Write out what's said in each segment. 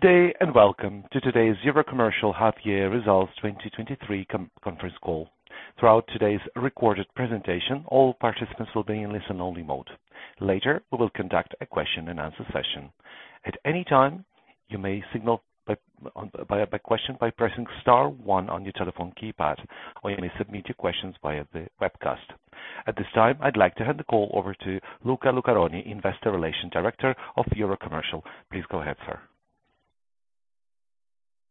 Good day, and welcome to today's Eurocommercial Half Year Results 2023 Conference Call. Throughout today's recorded presentation, all participants will be in listen-only mode. Later, we will conduct a question and answer session. At any time, you may signal your question by pressing star one on your telephone keypad, or you may submit your questions via the webcast. At this time, I'd like to hand the call over to Luca Lucaroni, Investor Relations Director of Eurocommercial. Please go ahead, sir.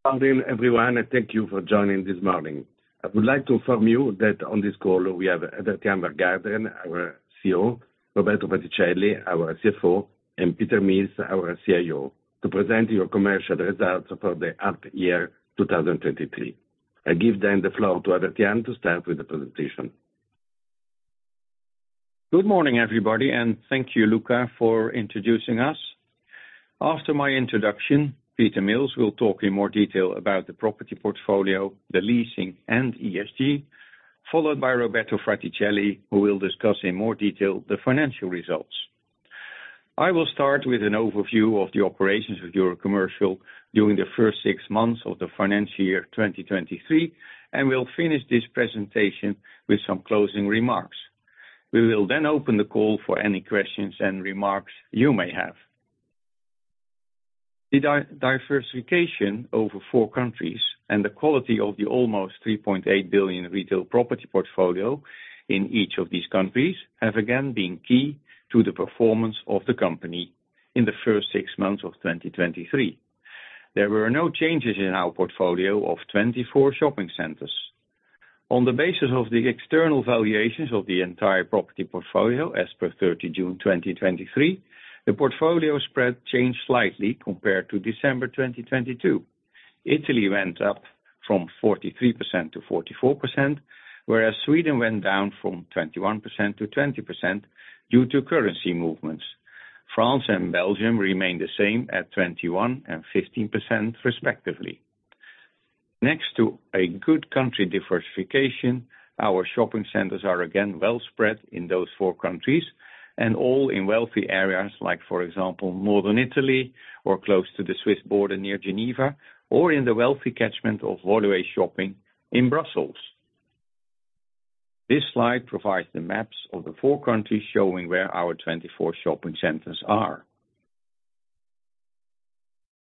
Good morning, everyone, and thank you for joining this morning. I would like to inform you that on this call we have Evert Jan van Garderen, our CEO, Roberto Fraticelli, our CFO, and Peter Mills, our CIO, to present Eurocommercial results for the half year 2023. I give then the floor to Evert Jan to start with the presentation. Good morning, everybody, and thank you, Luca, for introducing us. After my introduction, Peter Mills will talk in more detail about the property portfolio, the leasing and ESG, followed by Roberto Fraticelli, who will discuss in more detail the financial results. I will start with an overview of the operations of Eurocommercial during the first six months of the financial year 2023, and we'll finish this presentation with some closing remarks. We will then open the call for any questions and remarks you may have. The diversification over four countries and the quality of the almost 3.8 billion retail property portfolio in each of these countries have again been key to the performance of the company in the first six months of 2023. There were no changes in our portfolio of 24 shopping centers. On the basis of the external valuations of the entire property portfolio, as per 30 June 2023, the portfolio spread changed slightly compared to December 2022. Italy went up from 43% - 44%, whereas Sweden went down from 21% - 20% due to currency movements. France and Belgium remained the same at 21% and 15%, respectively. Next to a good country diversification, our shopping centers are again well spread in those four countries, and all in wealthy areas, like for example, northern Italy or close to the Swiss border near Geneva, or in the wealthy catchment of Woluwe Shopping in Brussels. This slide provides the maps of the four countries showing where our 24 shopping centers are.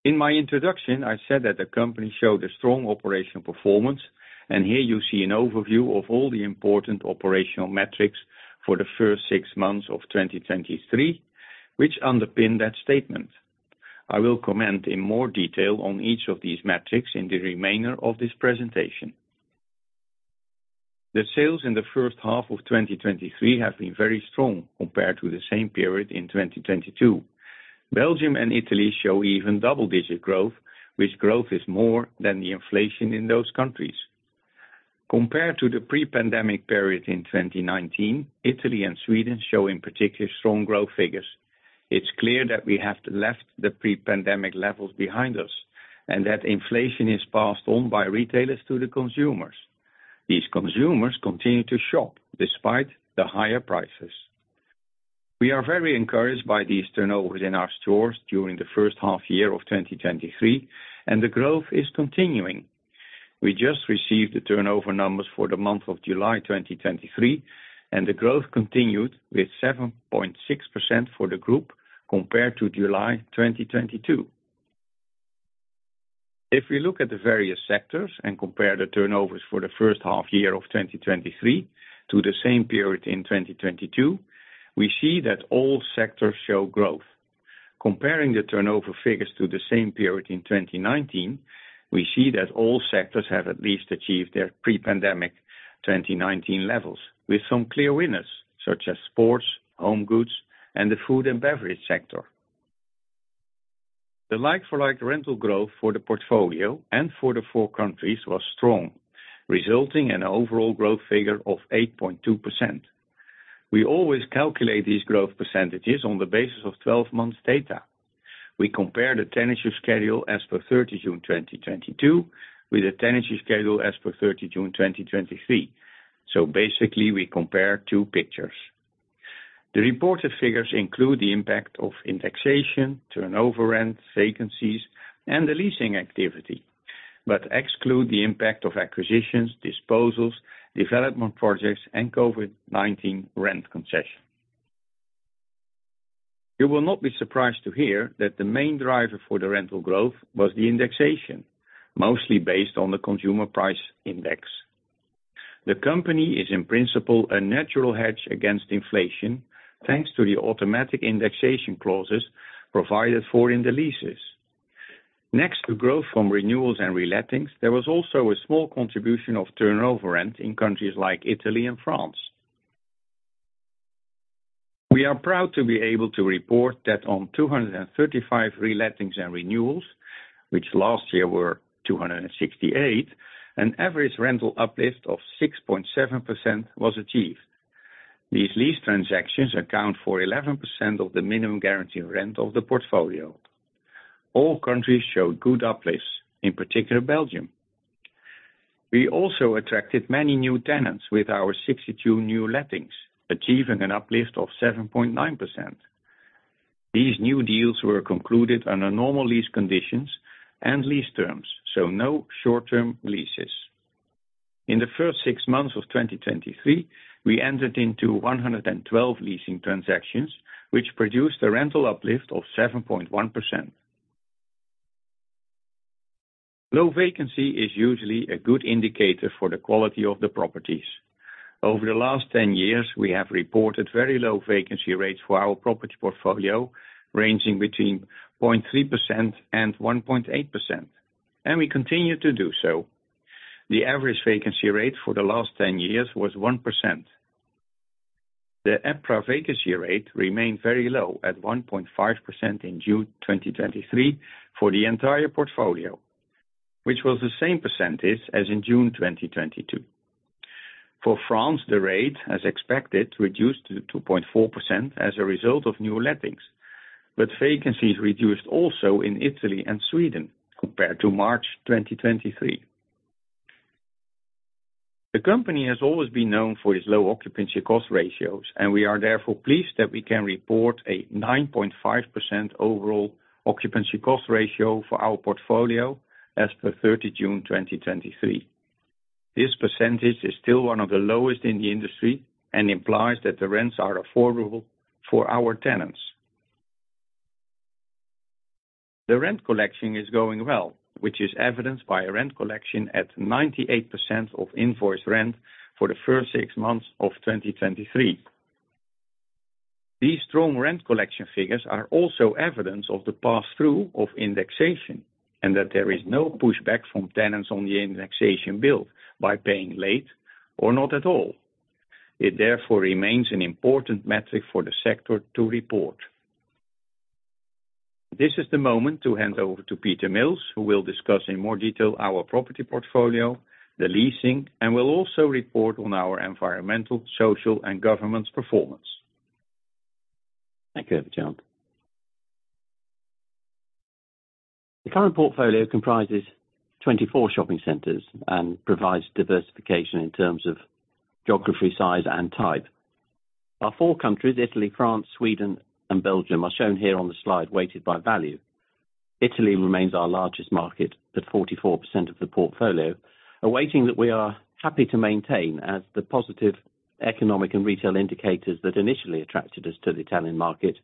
In my introduction, I said that the company showed a strong operational performance, and here you see an overview of all the important operational metrics for the first six months of 2023, which underpin that statement. I will comment in more detail on each of these metrics in the remainder of this presentation. The sales in the first half of 2023 have been very strong compared to the same period in 2022. Belgium and Italy show even double-digit growth, which growth is more than the inflation in those countries. Compared to the pre-pandemic period in 2019, Italy and Sweden show in particular strong growth figures. It's clear that we have left the pre-pandemic levels behind us, and that inflation is passed on by retailers to the consumers. These consumers continue to shop despite the higher prices. We are very encouraged by these turnovers in our stores during the first half year of 2023, and the growth is continuing. We just received the turnover numbers for the month of July 2023, and the growth continued with 7.6% for the group compared to July 2022. If we look at the various sectors and compare the turnovers for the first half year of 2023 to the same period in 2022, we see that all sectors show growth. Comparing the turnover figures to the same period in 2019, we see that all sectors have at least achieved their pre-pandemic 2019 levels, with some clear winners, such as sports, home goods, and the food and beverage sector. The like-for-like rental growth for the portfolio and for the four countries was strong, resulting in an overall growth figure of 8.2%. We always calculate these growth %s on the basis of 12 months data. We compare the tenancy schedule as per 30 June 2022 with the tenancy schedule as per 30 June 2023. So basically, we compare two pictures. The reported figures include the impact of indexation, turnover rent, vacancies, and the leasing activity, but exclude the impact of acquisitions, disposals, development projects, and COVID-19 rent concession. You will not be surprised to hear that the main driver for the rental growth was the indexation, mostly based on the Consumer Price Index. The company is in principle a natural hedge against inflation, thanks to the automatic indexation clauses provided for in the leases. Next to growth from renewals and re-lettings, there was also a small contribution of turnover rent in countries like Italy and France. We are proud to be able to report that on 235 re-lettings and renewals, which last year were 268, an average rental uplift of 6.7% was achieved. These lease transactions account for 11% of the minimum guaranteed rent of the portfolio. All countries showed good uplifts, in particular Belgium.... We also attracted many new tenants with our 62 new lettings, achieving an uplift of 7.9%. These new deals were concluded under normal lease conditions and lease terms, so no short-term leases. In the first six months of 2023, we entered into 112 leasing transactions, which produced a rental uplift of 7.1%. Low vacancy is usually a good indicator for the quality of the properties. Over the last 10 years, we have reported very low vacancy rates for our property portfolio, ranging between 0.3% and 1.8%, and we continue to do so. The average vacancy rate for the last 10 years was 1%. The EPRA vacancy rate remained very low at 1.5% in June 2023 for the entire portfolio, which was the same percentage as in June 2022. For France, the rate, as expected, reduced to 2.4% as a result of new lettings, but vacancies reduced also in Italy and Sweden compared to March 2023. The company has always been known for its low occupancy cost ratios, and we are therefore pleased that we can report a 9.5% overall occupancy cost ratio for our portfolio as per 30 June 2023. This percentage is still one of the lowest in the industry and implies that the rents are affordable for our tenants. The rent collection is going well, which is evidenced by a rent collection at 98% of invoice rent for the first six months of 2023. These strong rent collection figures are also evidence of the pass-through of indexation, and that there is no pushback from tenants on the indexation bill by paying late or not at all. It therefore remains an important metric for the sector to report. This is the moment to hand over to Peter Mills, who will discuss in more detail our property portfolio, the leasing, and will also report on our environmental, social, and governance performance. Thank you, Evert-Jan. The current portfolio comprises 24 shopping centers and provides diversification in terms of geography, size, and type. Our four countries, Italy, France, Sweden, and Belgium, are shown here on the slide, weighted by value. Italy remains our largest market, at 44% of the portfolio, a weighting that we are happy to maintain as the positive economic and retail indicators that initially attracted us to the Italian market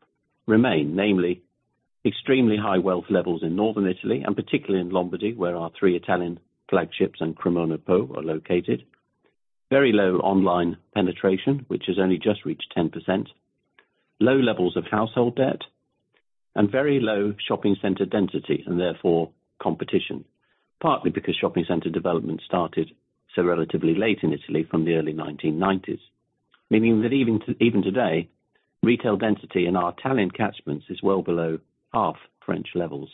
remain, namely extremely high wealth levels in northern Italy, and particularly in Lombardy, where our three Italian flagships and CremonaPo are located. Very low online penetration, which has only just reached 10%, low levels of household debt, and very low shopping center density, and therefore competition, partly because shopping center development started so relatively late in Italy from the early 1990s. Meaning that even today, retail density in our Italian catchments is well below half French levels.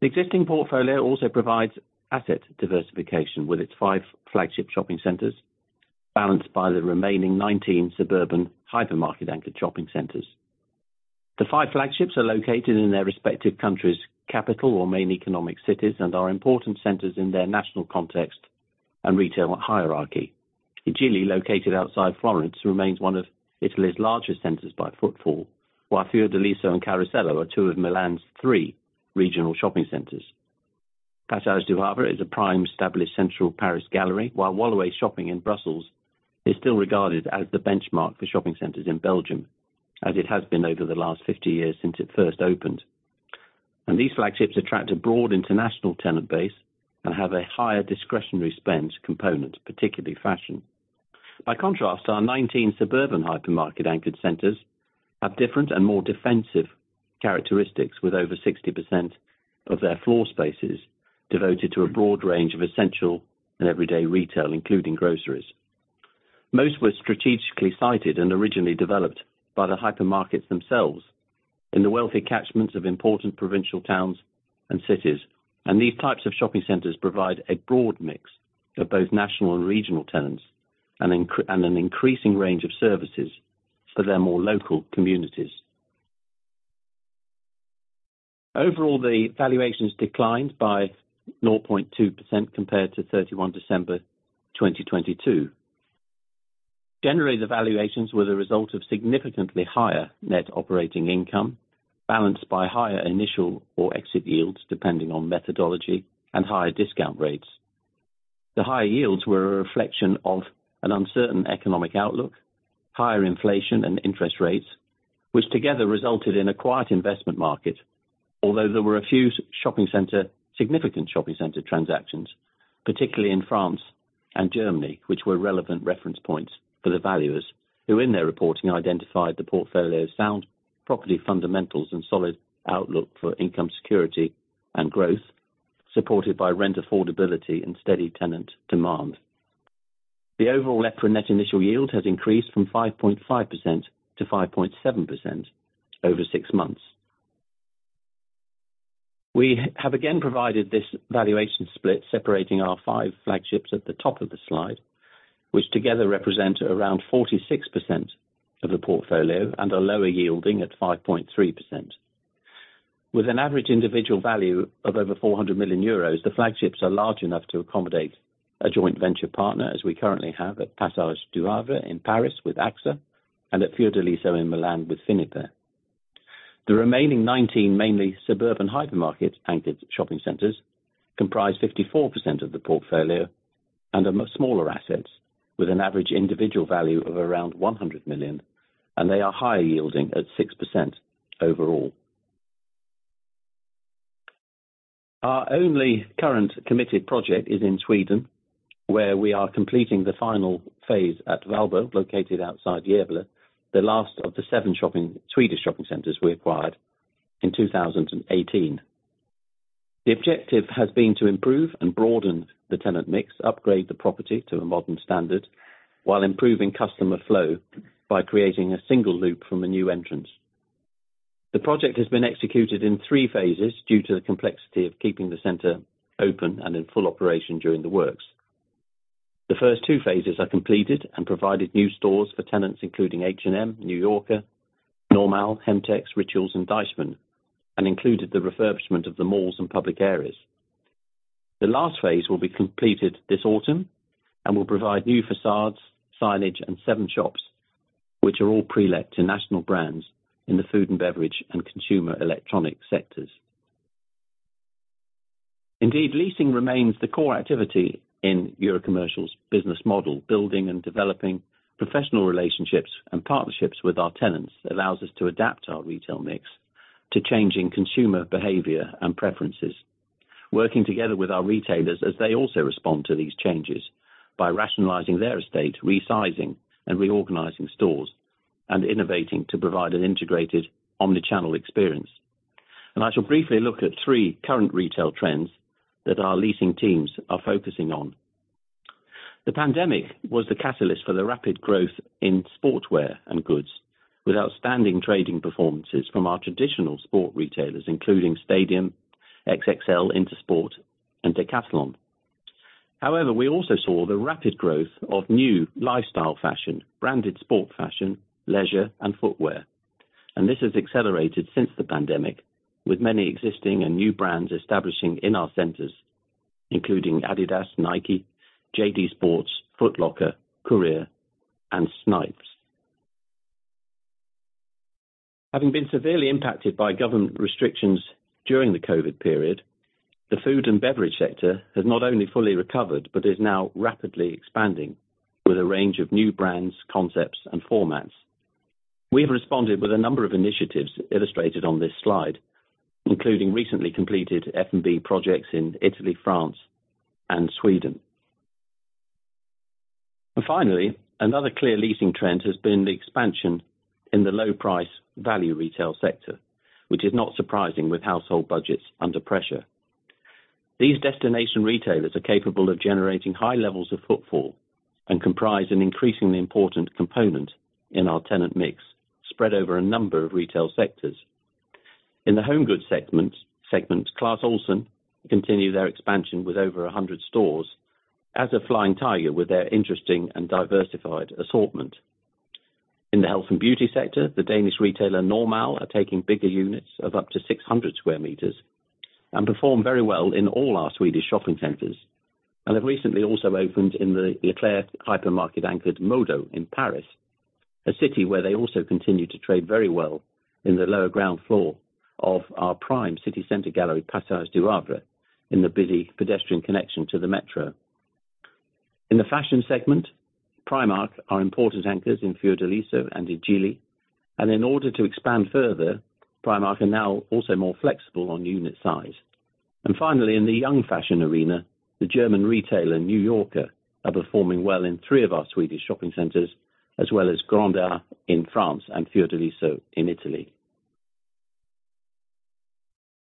The existing portfolio also provides asset diversification, with its five flagship shopping centers, balanced by the remaining nineteen suburban hypermarket-anchored shopping centers. The five flagships are located in their respective countries, capital or main economic cities, and are important centers in their national context and retail hierarchy. I Gigli, located outside Florence, remains one of Italy's largest centers by footfall, while Fiordaliso and Carosello are two of Milan's three regional shopping centers. Passage du Havre is a prime, established central Paris gallery, while Woluwe Shopping in Brussels is still regarded as the benchmark for shopping centers in Belgium, as it has been over the last fifty years since it first opened. And these flagships attract a broad international tenant base and have a higher discretionary spend component, particularly fashion. By contrast, our 19 suburban hypermarket anchored centers have different and more defensive characteristics, with over 60% of their floor spaces devoted to a broad range of essential and everyday retail, including groceries. Most were strategically sited and originally developed by the hypermarkets themselves in the wealthy catchments of important provincial towns and cities, and these types of shopping centers provide a broad mix of both national and regional tenants, and an increasing range of services for their more local communities. Overall, the valuations declined by 0.2% compared to 31 December 2022. Generally, the valuations were the result of significantly higher net operating income, balanced by higher initial or exit yields, depending on methodology and higher discount rates. The higher yields were a reflection of an uncertain economic outlook, higher inflation and interest rates, which together resulted in a quiet investment market. Although there were a few significant shopping center transactions, particularly in France and Germany, which were relevant reference points for the valuers, who in their reporting, identified the portfolio's sound, property fundamentals, and solid outlook for income security and growth, supported by rent affordability and steady tenant demand. The overall EPRA net initial yield has increased from 5.5% - 5.7% over six months. We have again provided this valuation split, separating our five flagships at the top of the slide, which together represent around 46% of the portfolio and are lower yielding at 5.3%. With an average individual value of over 400 million euros, the flagships are large enough to accommodate a joint venture partner, as we currently have at Passage du Havre in Paris with AXA, and at Fiordaliso in Milan with Finiper. The remaining 19, mainly suburban hypermarket-anchored shopping centers, comprise 54% of the portfolio and are much smaller assets with an average individual value of around 100 million, and they are high yielding at 6% overall. Our only current committed project is in Sweden, where we are completing the final phase at Valbo, located outside Gävle, the last of the 7 Swedish shopping centers we acquired in 2018. The objective has been to improve and broaden the tenant mix, upgrade the property to a modern standard, while improving customer flow by creating a single loop from a new entrance. The project has been executed in three phases due to the complexity of keeping the center open and in full operation during the works. The first two phases are completed and provided new stores for tenants, including H&M, New Yorker, Normal, Hemtex, Rituals, and Deichmann, and included the refurbishment of the malls and public areas. The last phase will be completed this autumn and will provide new facades, signage, and seven shops, which are all pre-let to national brands in the food and beverage and consumer electronics sectors. Indeed, leasing remains the core activity in Eurocommercial's business model. Building and developing professional relationships and partnerships with our tenants allows us to adapt our retail mix to changing consumer behavior and preferences. Working together with our retailers as they also respond to these changes by rationalizing their estate, resizing and reorganizing stores, and innovating to provide an integrated omni-channel experience. And I shall briefly look at three current retail trends that our leasing teams are focusing on. The pandemic was the catalyst for the rapid growth in sportswear and goods, with outstanding trading performances from our traditional sport retailers, including Stadium, XXL, Intersport, and Decathlon. However, we also saw the rapid growth of new lifestyle fashion, branded sport fashion, leisure, and footwear. This has accelerated since the pandemic, with many existing and new brands establishing in our centers, including Adidas, Nike, JD Sports, Foot Locker, Courir, and Snipes. Having been severely impacted by government restrictions during the COVID period, the food and beverage sector has not only fully recovered, but is now rapidly expanding with a range of new brands, concepts, and formats. We've responded with a number of initiatives illustrated on this slide, including recently completed F&B projects in Italy, France, and Sweden. And finally, another clear leasing trend has been the expansion in the low price value retail sector, which is not surprising with household budgets under pressure. These destination retailers are capable of generating high levels of footfall and comprise an increasingly important component in our tenant mix, spread over a number of retail sectors. In the home goods segment, Clas Ohlson continue their expansion with over 100 stores, as a Flying Tiger with their interesting and diversified assortment. In the health and beauty sector, the Danish retailer, Normal, are taking bigger units of up to 600 sq m and perform very well in all our Swedish shopping centers, and have recently also opened in the Leclerc hypermarket anchored MoDo in Paris, a city where they also continue to trade very well in the lower ground floor of our prime city center gallery, Passage du Havre, in the busy pedestrian connection to the metro. In the fashion segment, Primark are important anchors in Fiordaliso and I Gigli. And in order to expand further, Primark are now also more flexible on unit size. And finally, in the young fashion arena, the German retailer, New Yorker, are performing well in three of our Swedish shopping centers, as well as Grand A in France and Fiordaliso in Italy.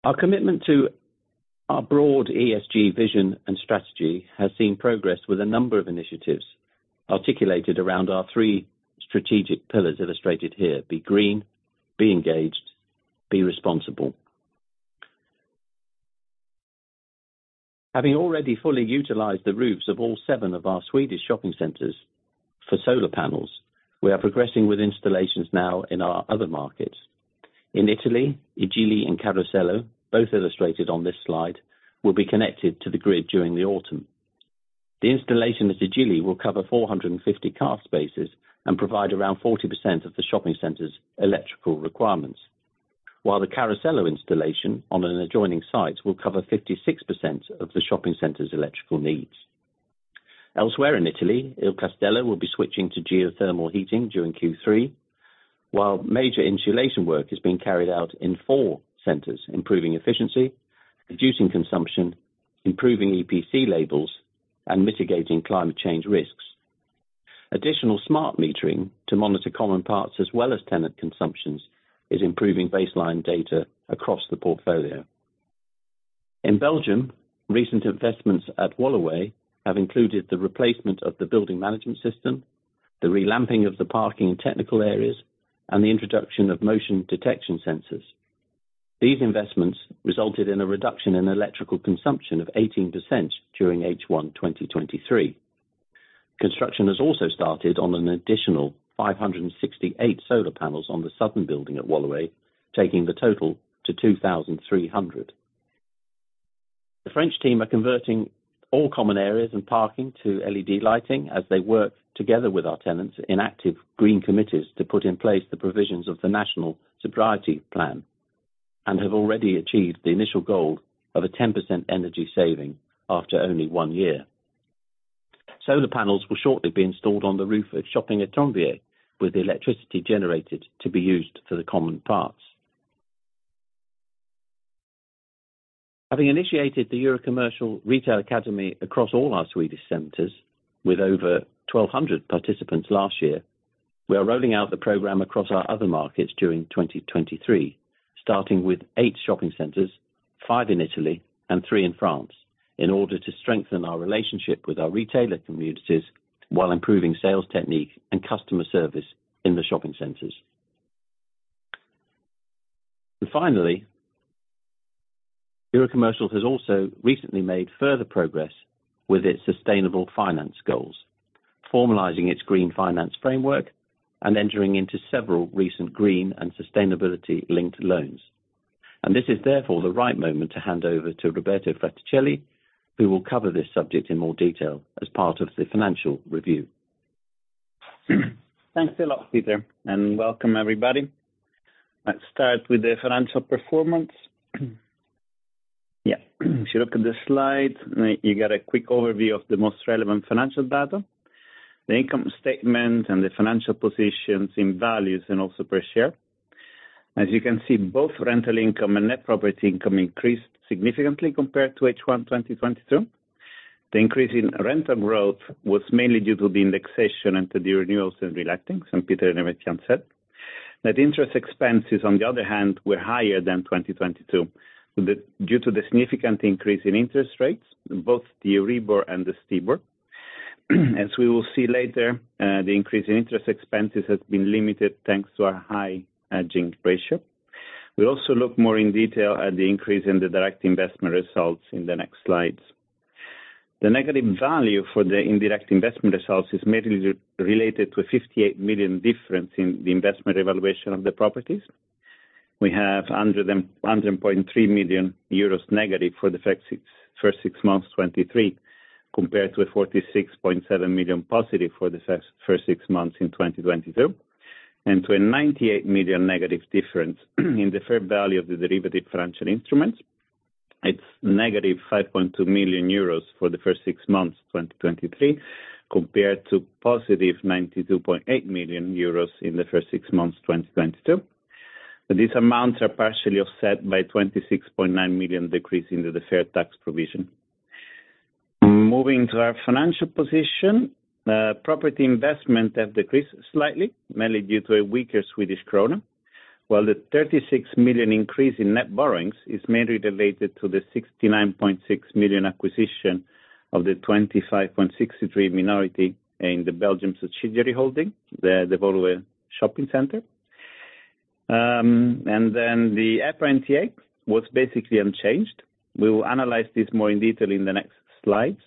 Our commitment to our broad ESG vision and strategy has seen progress with a number of initiatives articulated around our three strategic pillars illustrated here: Be green, be engaged, be responsible. Having already fully utilized the roofs of all 7 of our Swedish shopping centers for solar panels, we are progressing with installations now in our other markets. In Italy, I Gigli and Carosello, both illustrated on this slide, will be connected to the grid during the autumn. The installation at I Gigli will cover 450 car spaces and provide around 40% of the shopping center's electrical requirements, while the Carosello installation on an adjoining site will cover 56% of the shopping center's electrical needs. Elsewhere in Italy, Il Castello will be switching to geothermal heating during Q3, while major insulation work is being carried out in four centers, improving efficiency, reducing consumption, improving EPC labels, and mitigating climate change risks. Additional smart metering to monitor common parts as well as tenant consumptions is improving baseline data across the portfolio. In Belgium, recent investments at Woluwe have included the replacement of the building management system, the relamping of the parking and technical areas, and the introduction of motion detection sensors. These investments resulted in a reduction in electrical consumption of 18% during H1, 2023. Construction has also started on an additional 568 solar panels on the southern building at Woluwe, taking the total to 2,300. The French team are converting all common areas and parking to LED lighting as they work together with our tenants in active green committees to put in place the provisions of the National Sobriety Plan, and have already achieved the initial goal of a 10% energy saving after only one year. Solar panels will shortly be installed on the roof of Shopping Etrembières, with the electricity generated to be used for the common parts. Having initiated the Eurocommercial Retail Academy across all our Swedish centers, with over 1,200 participants last year, we are rolling out the program across our other markets during 2023, starting with eight shopping centers, five in Italy and three in France, in order to strengthen our relationship with our retailer communities while improving sales techniques and customer service in the shopping centers. And finally, Eurocommercial has also recently made further progress with its sustainable finance goals, formalizing its Green Finance Framework and entering into several recent green and sustainability-linked loans. And this is therefore the right moment to hand over to Roberto Fraticelli, who will cover this subject in more detail as part of the financial review. Thanks a lot, Peter, and welcome, everybody. Let's start with the financial performance. Yeah, if you look at the slide, you get a quick overview of the most relevant financial data, the income statement, and the financial positions in values and also per share. As you can see, both rental income and net property income increased significantly compared to H1 2022. The increase in rental growth was mainly due to the indexation and to the renewals and relittings, and Peter and I mentioned. Net interest expenses, on the other hand, were higher than 2022, the due to the significant increase in interest rates, both the EURIBOR and the STIBOR. As we will see later, the increase in interest expenses has been limited, thanks to our high hedging ratio. We'll also look more in detail at the increase in the direct investment results in the next slides. The negative value for the indirect investment results is mainly related to a 58 million difference in the investment evaluation of the properties. We have under them, -100.3 million euros for the first six months, 2023, compared to a +46.7 million for the first six months in 2022, and to a 98 million negative difference in the fair value of the derivative financial instruments. It's -5.2 million euros for the first six months, 2023, compared to +92.8 million euros in the first six months, 2022. These amounts are partially offset by 26.9 million decrease in the deferred tax provision. Moving to our financial position, property investment has decreased slightly, mainly due to a weaker Swedish krona. While the 36 million increase in net borrowings is mainly related to the 69.6 million acquisition of the 25.63 minority in the Belgian subsidiary holding, the Woluwe Shopping Center. And then the EPRA NTA was basically unchanged. We will analyze this more in detail in the next slides.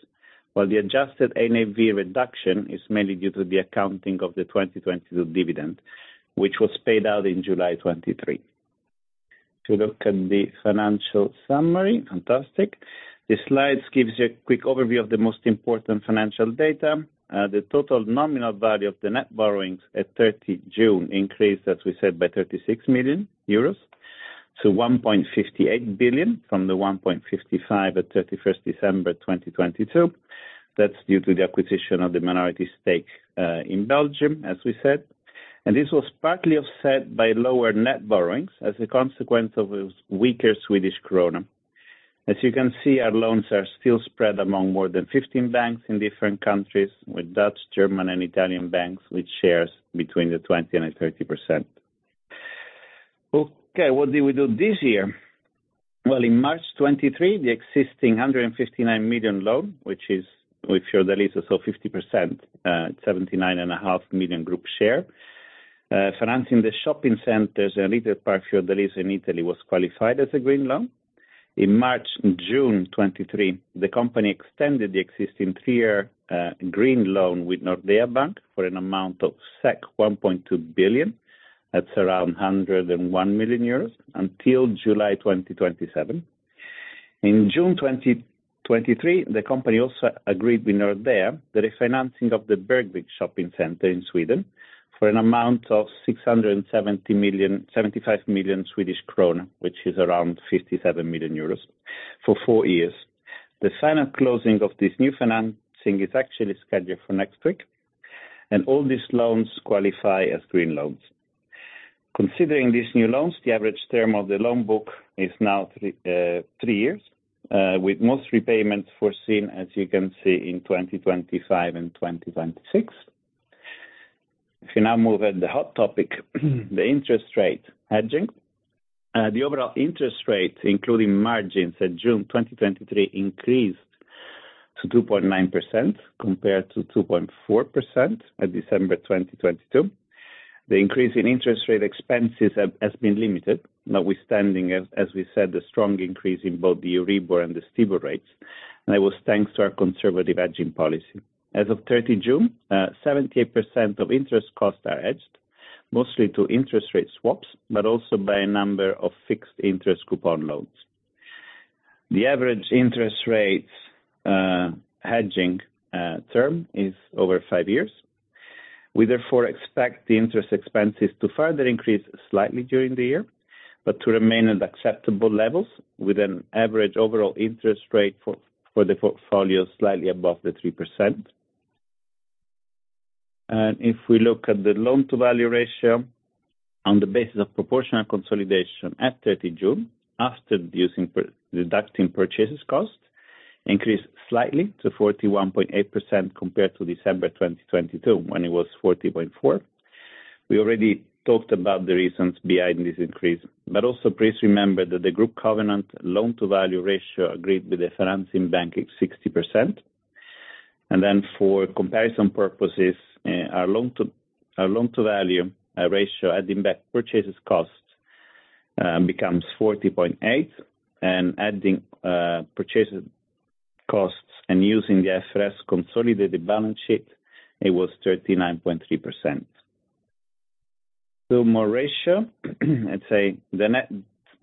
While the Adjusted NAV reduction is mainly due to the accounting of the 2022 dividend, which was paid out in July 2023. To look at the financial summary, fantastic. The slides gives you a quick overview of the most important financial data. The total nominal value of the net borrowings at 30 June increased, as we said, by 36 million euros, to 1.58 billion from the 1.55 billion at 31 December 2022. That's due to the acquisition of the minority stake in Belgium, as we said, and this was partly offset by lower net borrowings as a consequence of a weaker Swedish krona. As you can see, our loans are still spread among more than 15 banks in different countries, with Dutch, German, and Italian banks, with shares between 20% and 30%. Okay, what did we do this year? Well, in March 2023, the existing 159 million loan, which is with Fiordaliso, so 50%, 79.5 million group share, financing the shopping centers and Retail Park Fiordaliso in Italy, was qualified as a green loan. In March and June 2023, the company extended the existing their green loan with Nordea Bank for an amount of 1.2 billion. That's around 101 million euros until July 2027. In June 2023, the company also agreed with Nordea that the financing of the Bergvik Shopping Center in Sweden for an amount of 675 million, which is around 57 million euros for 4 years. The final closing of this new financing is actually scheduled for next week, and all these loans qualify as green loans. Considering these new loans, the average term of the loan book is now three years, with most repayments foreseen, as you can see, in 2025 and 2026. If you now move at the hot topic, the interest rate hedging. The overall interest rate, including margins at June 2023, increased to 2.9%, compared to 2.4% at December 2022. The increase in interest rate expenses have, has been limited, notwithstanding, as we said, the strong increase in both the EURIBOR and the STIBOR rates, and it was thanks to our conservative hedging policy. As of June 30, 78% of interest costs are hedged, mostly to interest rate swaps, but also by a number of fixed interest coupon loans. The average interest rates, hedging, term, is over five years. We therefore expect the interest expenses to further increase slightly during the year, but to remain at acceptable levels, with an average overall interest rate for the portfolio slightly above 3%. And if we look at the loan-to-value ratio on the basis of proportional consolidation at June 30, after using deducting purchases cost, increased slightly to 41.8% compared to December 2022, when it was 40.4%. We already talked about the reasons behind this increase, but also please remember that the group covenant loan-to-value ratio agreed with the financing bank is 60%. And then for comparison purposes, our loan to, our loan-to-value, ratio, adding back purchases costs, becomes 40.8, and adding, purchases costs and using the IFRS consolidated balance sheet, it was 39.3%. So more ratio. Let's say, the net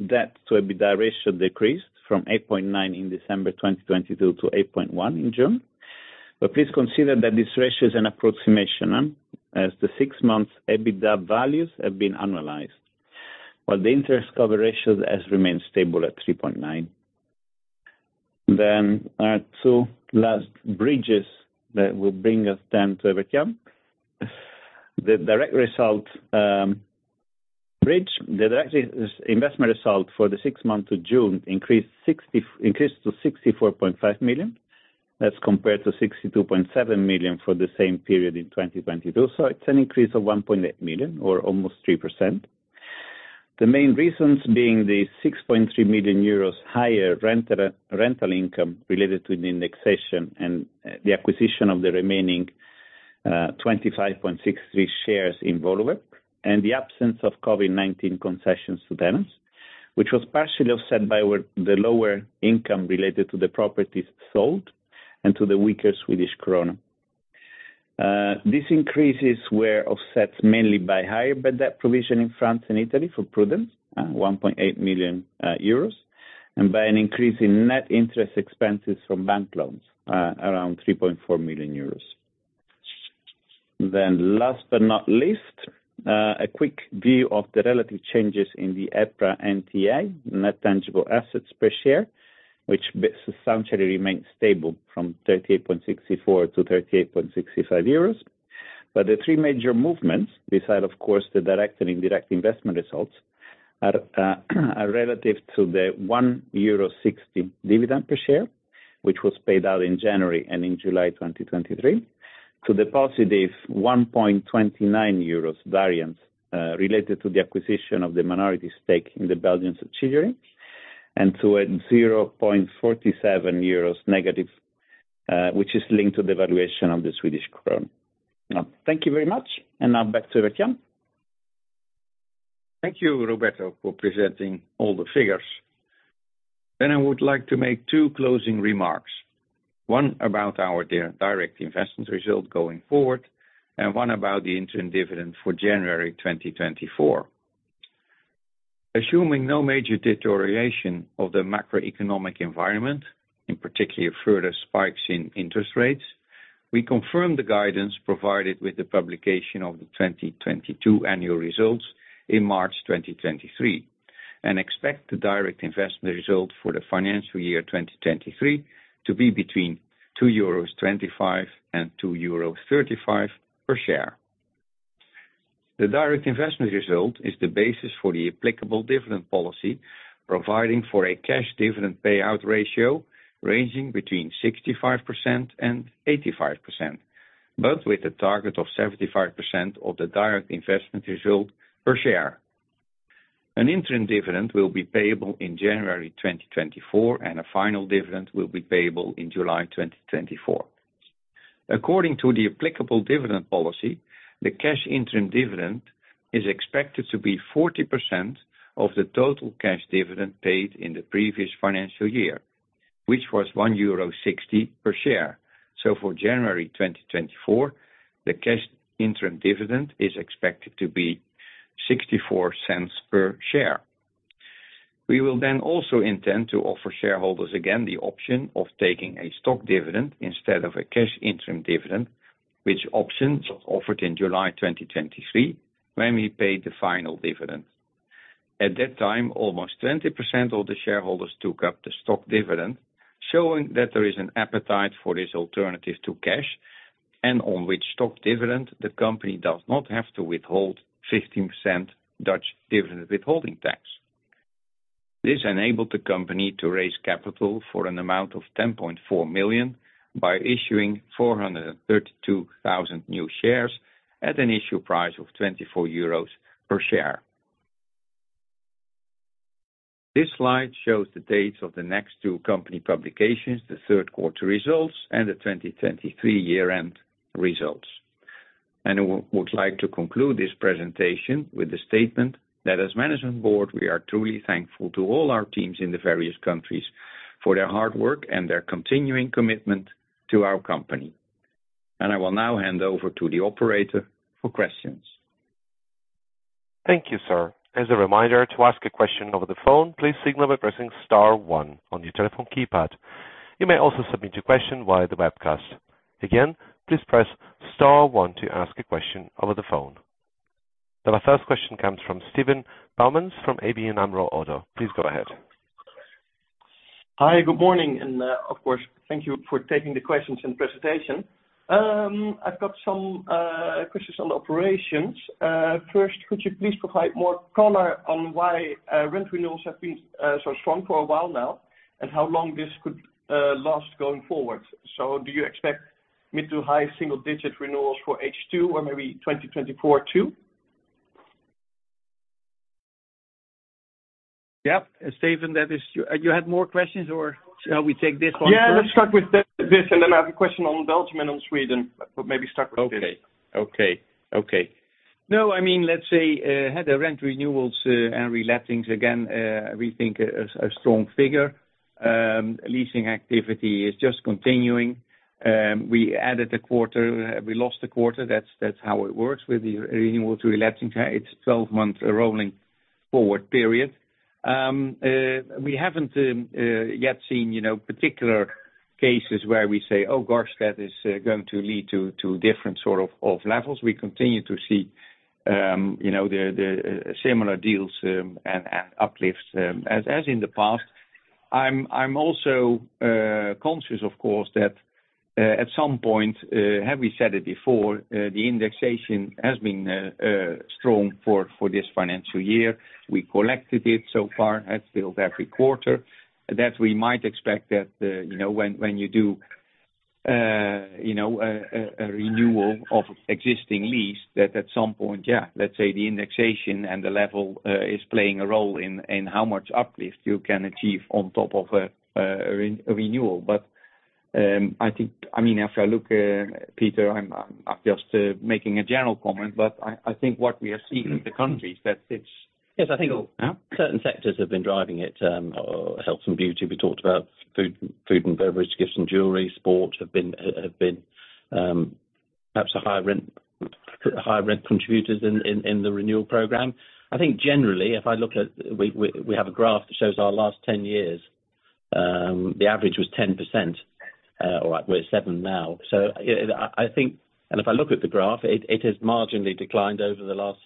debt to EBITDA ratio decreased from 8.9 in December 2022 to 8.1 in June. But please consider that this ratio is an approximation, as the six-month EBITDA values have been annualized, while the interest cover ratio has remained stable at 3.9. Then, two last bridges that will bring us then to everyone. The direct investment result for the six months of June increased to 64.5 million. That's compared to 62.7 million for the same period in 2022. So it's an increase of 1.8 million or almost 3%. The main reasons being the 6.3 million euros higher rental income related to an indexation and the acquisition of the remaining 25.63 shares in Woluwe, and the absence of COVID-19 concessions to tenants, which was partially offset by the lower income related to the properties sold and to the weaker Swedish krona. These increases were offsets mainly by higher bad debt provision in France and Italy for prudence, 1.8 million euros, and by an increase in net interest expenses from bank loans, around 3.4 million euros. Then last but not least, a quick view of the relative changes in the EPRA NTA, Net Tangible Assets per share, which substantially remains stable from 38.64 - 38.65 euros. But the three major movements, beside of course, the direct and indirect investment results, are, are relative to the 1.60 euro dividend per share, which was paid out in January and in July 2023, to the positive 1.29 euros variance, related to the acquisition of the minority stake in the Belgian subsidiary, and to a -0.47 euros, which is linked to the valuation of the Swedish krona. Now, thank you very much, and now back to Evert Jan. Thank you, Roberto, for presenting all the figures. Then I would like to make two closing remarks, one about our direct investment result going forward, and one about the interim dividend for January 2024. Assuming no major deterioration of the macroeconomic environment, in particular, further spikes in interest rates, we confirm the guidance provided with the publication of the 2022 annual results in March 2023, and expect the direct investment result for the financial year 2023 to be between 2.25 euros and 2.35 euros per share. The direct investment result is the basis for the applicable dividend policy, providing for a cash dividend payout ratio ranging between 65% and 85%, but with a target of 75% of the direct investment result per share. An interim dividend will be payable in January 2024, and a final dividend will be payable in July 2024. According to the applicable dividend policy, the cash interim dividend is expected to be 40% of the total cash dividend paid in the previous financial year, which was 1.60 euro per share. So for January 2024, the cash interim dividend is expected to be 0.64 per share. We will then also intend to offer shareholders again the option of taking a stock dividend instead of a cash interim dividend, which option was offered in July 2023, when we paid the final dividend. At that time, almost 20% of the shareholders took up the stock dividend, showing that there is an appetite for this alternative to cash, and on which stock dividend, the company does not have to withhold 15% Dutch dividend withholding tax. This enabled the company to raise capital for an amount of 10.4 million by issuing 432,000 new shares at an issue price of 24 euros per share. This slide shows the dates of the next two company publications, the third quarter results and the 2023 year-end results. I would like to conclude this presentation with the statement that as Management Board, we are truly thankful to all our teams in the various countries for their hard work and their continuing commitment to our company. I will now hand over to the operator for questions. Thank you, sir. As a reminder, to ask a question over the phone, please signal by pressing star one on your telephone keypad. You may also submit your question via the webcast. Again, please press star one to ask a question over the phone. My first question comes from Steven Boumans from ABN AMRO Oddo. Please go ahead. Hi, good morning, and, of course, thank you for taking the questions and presentation. I've got some questions on the operations. First, could you please provide more color on why rent renewals have been so strong for a while now, and how long this could last going forward? So do you expect mid- to high-single-digit renewals for H2 or maybe 2024, too? Yeah, Steven, that is... You had more questions, or shall we take this one first? Yeah, let's start with this, and then I have a question on Belgium and on Sweden, but maybe start with this. Okay. Okay, okay. No, I mean, let's say, had the rent renewals and re-lettings again, we think a strong figure. Leasing activity is just continuing. We added a quarter, we lost a quarter. That's how it works with the renewal to reletting. It's 12 months rolling forward period. We haven't yet seen, you know, particular cases where we say, "Oh, gosh, that is going to lead to different sort of levels." We continue to see, you know, the similar deals and uplifts as in the past. I'm also conscious, of course, that at some point, have we said it before, the indexation has been strong for this financial year. We collected it so far, and still every quarter, that we might expect that, you know, when you do, you know, a renewal of existing lease, that at some point, yeah, let's say the indexation and the level is playing a role in how much uplift you can achieve on top of a renewal. But, I think, I mean, after I look, Peter, I'm just making a general comment, but I think what we are seeing in the countries that it's- Yes, I think certain sectors have been driving it, health and beauty, we talked about food and beverage, gifts and jewelry, sports have been perhaps a higher rent, higher rent contributors in the renewal program. I think generally, if I look at. We have a graph that shows our last 10 years, the average was 10%, or we're 7% now. So I think, and if I look at the graph, it has marginally declined over the last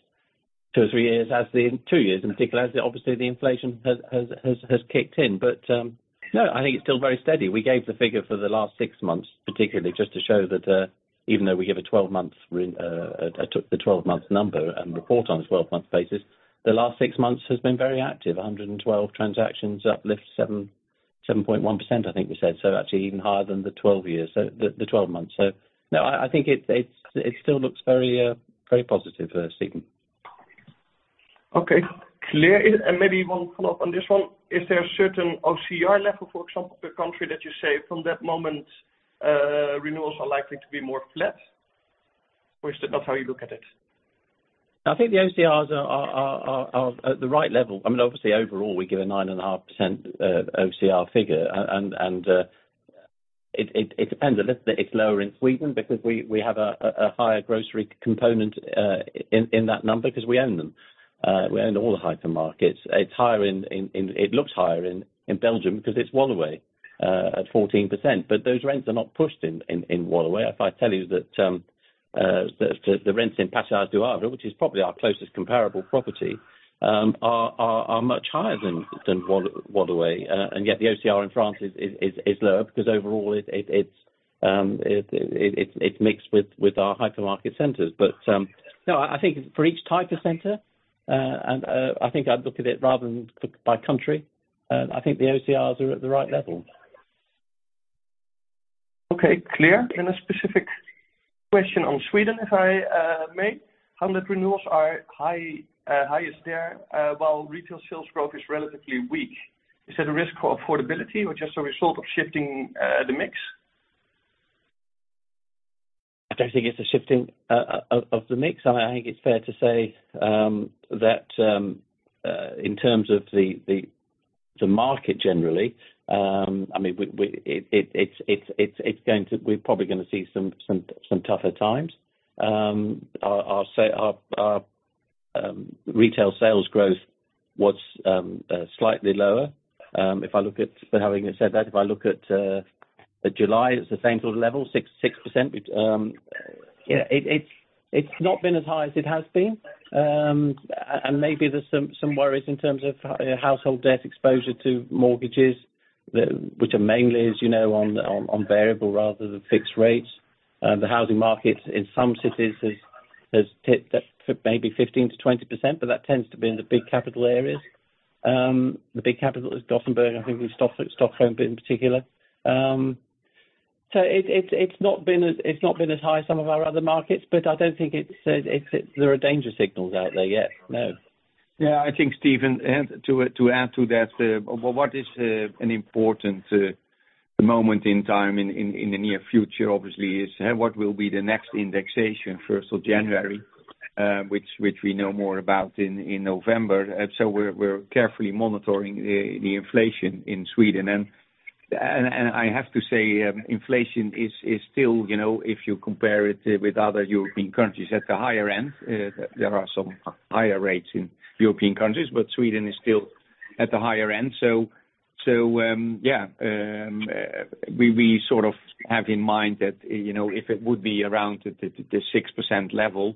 two or three years, over the last two years in particular, as obviously the inflation has kicked in. But no, I think it's still very steady. We gave the figure for the last six months, particularly just to show that, even though we give a twelve-month number and report on a twelve-month basis, the last six months has been very active. 112 transactions, uplifts 7.1%, I think we said, so actually even higher than the twelve years, the twelve months. So no, I think it's, it still looks very, very positive, Steven. Okay, clear. Maybe one follow-up on this one. Is there a certain OCR level, for example, per country, that you say from that moment, renewals are likely to be more flat, or is that not how you look at it? I think the OCRs are at the right level. I mean, obviously, overall, we give a 9.5% OCR figure. And it depends a little bit. It's lower in Sweden because we have a higher grocery component in that number, because we own them. We own all the hypermarkets. It's higher. It looks higher in Belgium because it's Woluwe at 14%. But those rents are not pushed in Woluwe. If I tell you that the rents in Passage du Havre, which is probably our closest comparable property, are much higher than Woluwe, and yet the OCR in France is lower, because overall it's mixed with our hypermarket centers. But no, I think for each type of center, and I think I'd look at it rather than by country. I think the OCRs are at the right level. Okay, clear. And a specific question on Sweden, if I may. How much renewals are high, highest there, while retail sales growth is relatively weak? Is it a risk of affordability or just a result of shifting, the mix? I don't think it's a shifting of the mix. I think it's fair to say that in terms of the market generally, I mean, we're probably going to see some tougher times. Our retail sales growth was slightly lower. If I look at... But having said that, if I look at the July, it's the same sort of level, 6%. Yeah, it's not been as high as it has been. And maybe there's some worries in terms of household debt exposure to mortgages, which are mainly, as you know, on variable rather than fixed rates. The housing market in some cities has tipped at maybe 15%-20%, but that tends to be in the big capital areas. The big capital is Gothenburg, I think in Stockholm in particular. So it's not been as high as some of our other markets, but I don't think there are danger signals out there yet, no. Yeah, I think, Steven, and to add to that, what is an important moment in time in the near future, obviously, is what will be the next indexation first of January, which we know more about in November. So we're carefully monitoring the inflation in Sweden. I have to say, inflation is still, you know, if you compare it with other European countries, at the higher end. There are some higher rates in European countries, but Sweden is still at the higher end. So, yeah, we sort of have in mind that, you know, if it would be around the 6% level,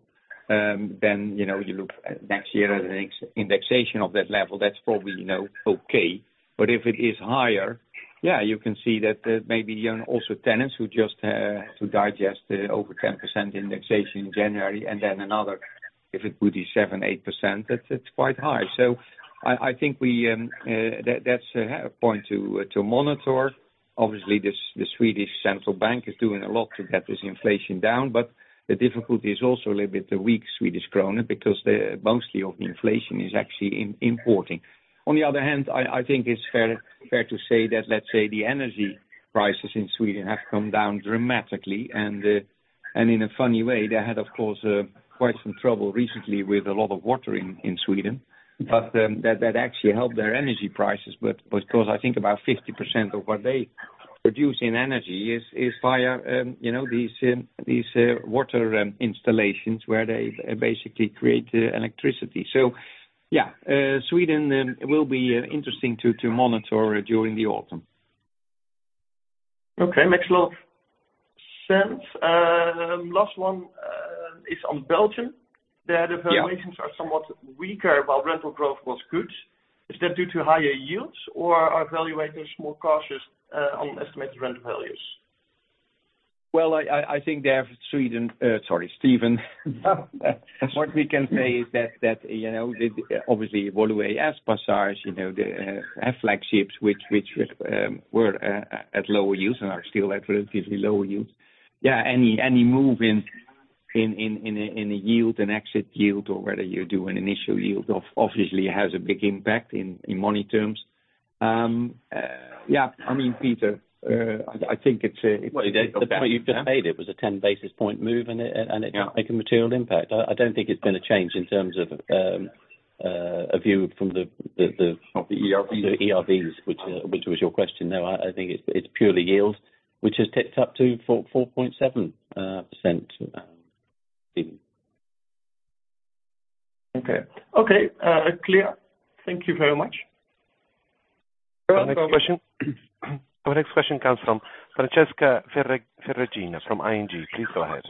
then, you know, you look at next year at a re-indexation of that level, that's probably, you know, okay. But if it is higher, yeah, you can see that, maybe, you know, also tenants who just to digest the over 10% indexation in January and then another, if it would be 7%-8%, that's, it's quite high. So I think that's a point to monitor. Obviously, the Swedish Central Bank is doing a lot to get this inflation down, but the difficulty is also a little bit the weak Swedish krona, because most of the inflation is actually imported. On the other hand, I think it's fair to say that, let's say, the energy prices in Sweden have come down dramatically, and in a funny way, they had, of course, quite some trouble recently with a lot of water in Sweden, but that actually helped their energy prices. But, because I think about 50% of what they produce in energy is via, you know, these water installations, where they basically create the electricity. So yeah, Sweden will be interesting to monitor during the autumn. Okay, makes a lot of sense. Last one is on Belgium. Yeah. There, the valuations are somewhat weaker, while rental growth was good. Is that due to higher yields or are valuators more cautious, on estimated rental values? Well, I think they have Sweden, sorry, Stephen. What we can say is that you know, obviously, Woluwe has Passage, you know, they have flagships, which were at lower yields and are still at relatively lower yields. Yeah, any move in a yield, an exit yield, or whether you do an initial yield, obviously has a big impact in money terms. Yeah, I mean, Peter, I think it's, it's- Well, the point you just made, it was a 10 basis point move, and it- Yeah... and it can make a material impact. I don't think it's been a change in terms of a view from the Of the ERVs. The ERVs, which was your question, though. I think it's purely yields, which has ticked up to 4.7%. Okay. Okay, clear. Thank you very much. Our next question. Our next question comes from Francesca Ferragina, from ING. Please go ahead.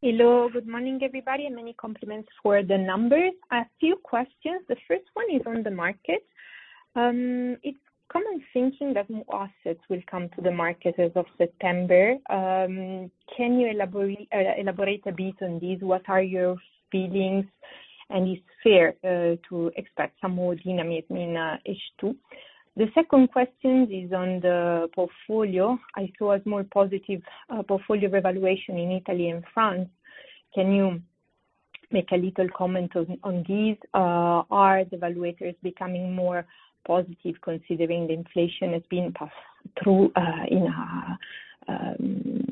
Hello, good morning, everybody, and many compliments for the numbers. A few questions. The first one is on the market. It's common thinking that new assets will come to the market as of September. Can you elaborate a bit on this? What are your feelings, and it's fair to expect some more dynamic in H2? The second question is on the portfolio. I saw a more positive portfolio revaluation in Italy and France. Can you make a little comment on this? Are the valuators becoming more positive, considering the inflation has been passed through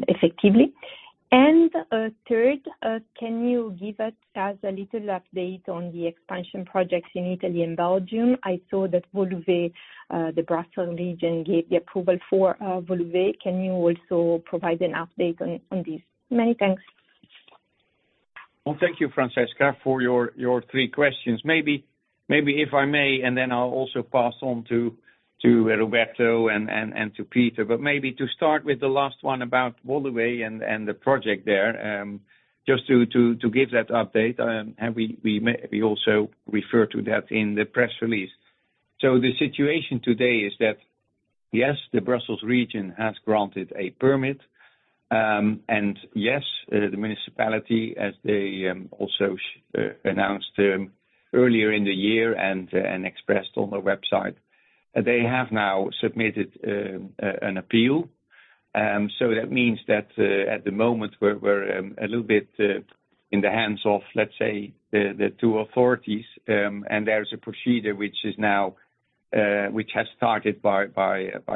effectively? Third, can you give us a little update on the expansion projects in Italy and Belgium? I saw that Woluwe, the Brussels region, gave the approval for Woluwe. Can you also provide an update on this? Many thanks. Well, thank you, Francesca, for your, your three questions. Maybe, maybe if I may, and then I'll also pass on to, to Roberto and, and, and to Peter. But maybe to start with the last one about Woluwe and, and the project there, just to, to, to give that update, and we, we also refer to that in the press release. So the situation today is that, yes, the Brussels region has granted a permit, and yes, the municipality, as they, also announced, earlier in the year and, and expressed on their website, they have now submitted, an appeal. So that means that at the moment, we're a little bit in the hands of, let's say, the two authorities, and there's a procedure which is now which has started by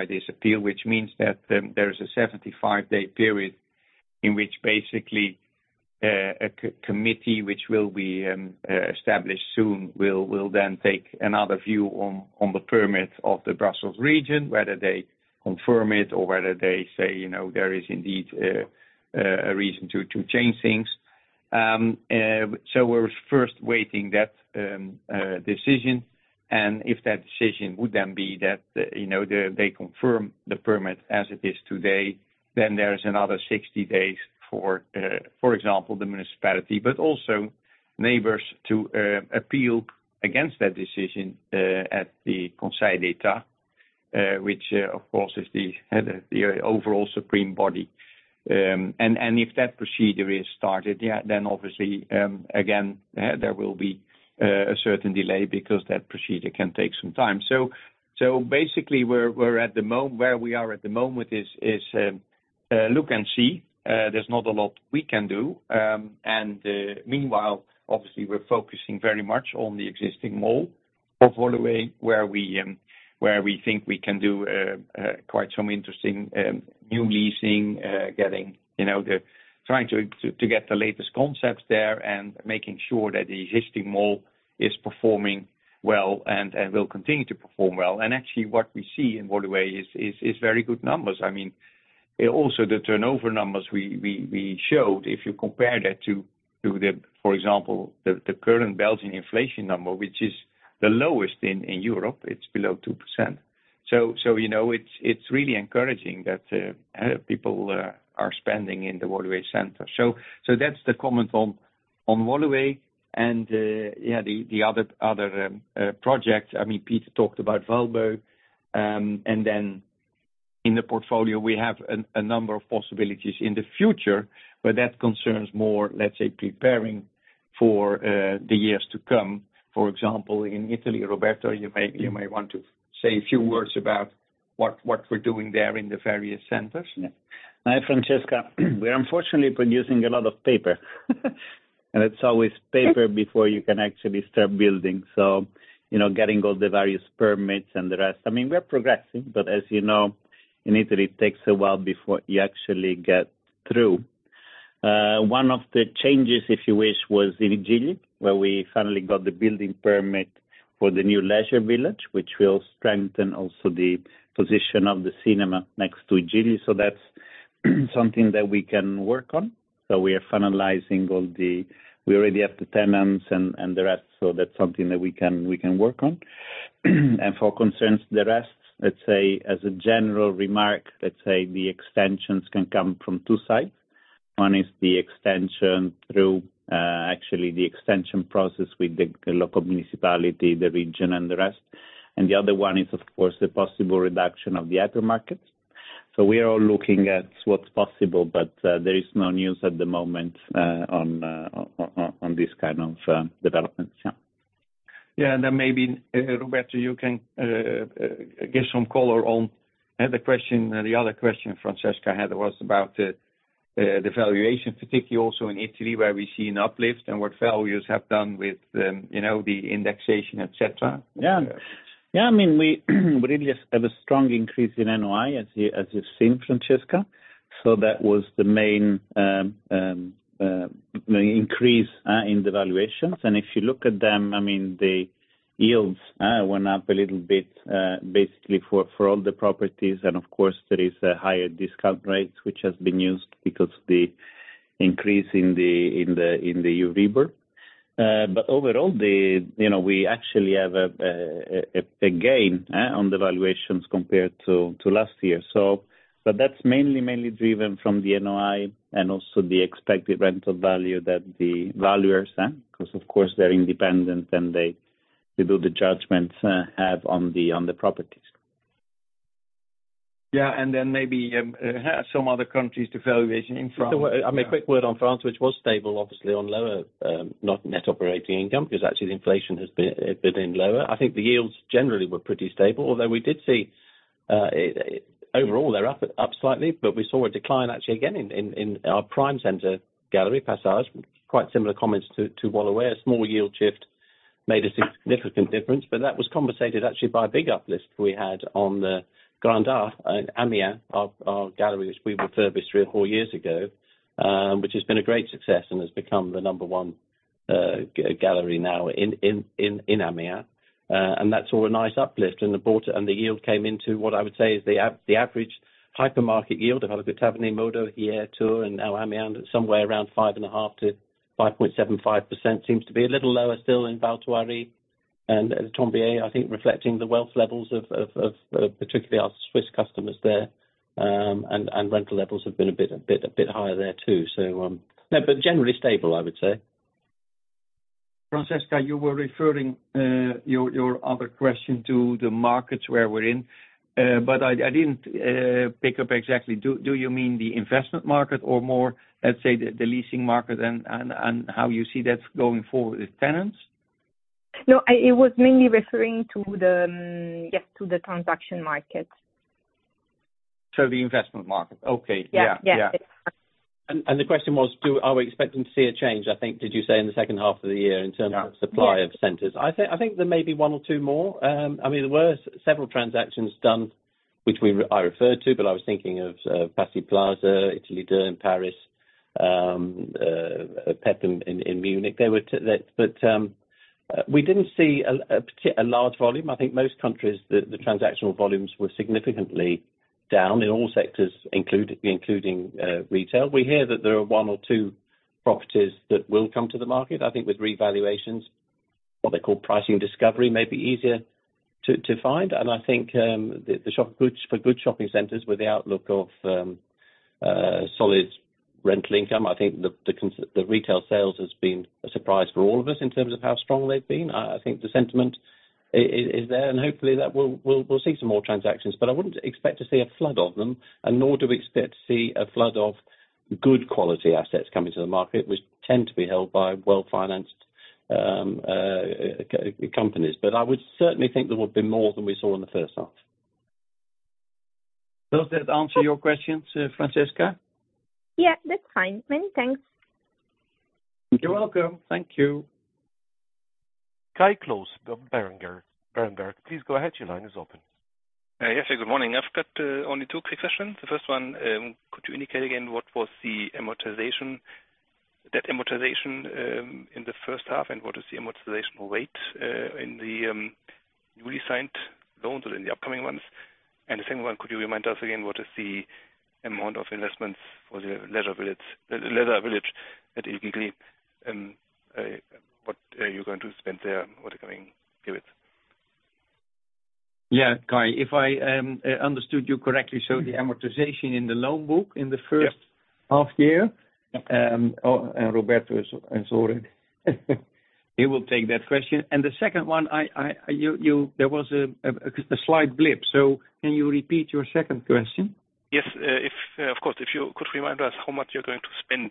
this appeal, which means that there is a 75-day period in which basically a committee, which will be established soon, will then take another view on the permit of the Brussels region, whether they confirm it or whether they say, you know, there is indeed a reason to change things. So we're first waiting that decision, and if that decision would then be that, you know, they confirm the permit as it is today, then there is another 60 days for, for example, the municipality, but also neighbors to appeal against that decision at the Conseil d'État, which, of course, is the overall supreme body. And if that procedure is started, yeah, then obviously, again, there will be a certain delay because that procedure can take some time. So basically, we're at the moment where we are at the moment is, look and see, there's not a lot we can do. And meanwhile, obviously, we're focusing very much on the existing mall of Woluwe, where we think we can do quite some interesting new leasing. Getting, you know, trying to get the latest concepts there and making sure that the existing mall is performing well and will continue to perform well. Actually, what we see in Woluwe is very good numbers. I mean, also the turnover numbers we showed, if you compare that to, for example, the current Belgian inflation number, which is the lowest in Europe, it's below 2%. So you know, it's really encouraging that people are spending in the Woluwe center. That's the comment on Woluwe and the other project, I mean, Peter talked about Valbo. And then in the portfolio, we have a number of possibilities in the future, but that concerns more, let's say, preparing for the years to come. For example, in Italy, Roberto, you may want to say a few words about what we're doing there in the various centers. Yeah. Hi, Francesca. We are unfortunately producing a lot of paper. And it's always paper before you can actually start building. So, you know, getting all the various permits and the rest. I mean, we're progressing, but as you know, in Italy, it takes a while before you actually get through. One of the changes, if you wish, was in I Gigli, where we finally got the building permit for the new leisure village, which will strengthen also the position of the cinema next to I Gigli. So that's something that we can work on. So we are finalizing all the. We already have the tenants and the rest, so that's something that we can work on. And for concerns, the rest, let's say as a general remark, let's say the extensions can come from two sides. One is the extension through, actually the extension process with the local municipality, the region and the rest. And the other one is, of course, the possible reduction of the other markets. So we are all looking at what's possible, but there is no news at the moment on this kind of development. Yeah. Yeah, and then maybe Roberto, you can give some color on the other question, the other question Francesca had was about the valuation, particularly also in Italy, where we see an uplift and what values have done with, you know, the indexation, et cetera. Yeah. Yeah, I mean, we really have a strong increase in NOI, as you, as you've seen, Francesca. So that was the main increase in the valuations. And if you look at them, I mean, the yields went up a little bit, basically for all the properties. And of course, there is a higher discount rate, which has been used because the increase in the EURIBOR. But overall, you know, we actually have a gain on the valuations compared to last year. So, but that's mainly, mainly driven from the NOI and also the expected rental value that the valuers, because of course, they're independent and they, they do the judgments, have on the properties. Yeah, and then maybe some other countries, the valuation in France. I mean, a quick word on France, which was stable, obviously on lower, not net operating income, because actually the inflation has been, has been lower. I think the yields generally were pretty stable, although we did see, overall they're up slightly, but we saw a decline actually, again, in our prime center gallery Passage. Quite similar comments to Woluwe. A small yield shift made a significant difference, but that was compensated actually by a big uplift we had on the Grand A in Amiens, our gallery, which we refurbished three or four years ago. Which has been a great success and has become the number one gallery now in Amiens. And that's all a nice uplift and the board, and the yield came into what I would say is the average hypermarket yield of Havre, Taverny and MoDo here, too. And in Amiens, somewhere around 5.5%-5.75%, seems to be a little lower still in Val Thoiry and Etrembières, I think, reflecting the wealth levels of, particularly our Swiss customers there. And rental levels have been a bit higher there, too. But generally stable, I would say. Francesca, you were referring your other question to the markets where we're in, but I didn't pick up exactly. Do you mean the investment market or more, let's say, the leasing market and how you see that going forward with tenants? No, it was mainly referring to the, yes, to the transaction market. The investment market. Okay. Yeah. Yeah. Yeah. And the question was, are we expecting to see a change, I think, did you say in the second half of the year in terms- Yeah. - of supply of centers? I think, I think there may be one or two more. I mean, there were several transactions done, which we-- I referred to, but I was thinking of Passy Plaza, Italy, Paris, PEP in Munich. There were that, but we didn't see a large volume. I think most countries, the transactional volumes were significantly down in all sectors, including retail. We hear that there are one or two properties that will come to the market. I think with revaluations, what they call pricing discovery, may be easier to find. I think the shop goods for good shopping centers, with the outlook of solid rental income, I think the retail sales has been a surprise for all of us in terms of how strong they've been. I think the sentiment is there, and hopefully that we'll see some more transactions. But I wouldn't expect to see a flood of them, and nor do we expect to see a flood of good quality assets coming to the market, which tend to be held by well-financed-... companies, but I would certainly think there would be more than we saw in the first half. Does that answer your question, sir, Francesca? Yeah, that's fine. Many thanks. You're welcome. Thank you. Kai Klose of Berenberg, please go ahead. Your line is open. Yes, good morning. I've got only two quick questions. The first one, could you indicate again what was the amortization, that amortization, in the first half, and what is the amortization rate in the newly signed loans and in the upcoming ones? And the second one, could you remind us again, what is the amount of investments for the leisure village, leisure village at I Gigli, and what are you going to spend there over the coming periods? Yeah, Kai, if I understood you correctly, so the amortization in the loan book in the first- Yep Half year, oh, and Roberto is on it. He will take that question. And the second one, I, you-- there was a slight blip, so can you repeat your second question? Yes. If, of course, if you could remind us how much you're going to spend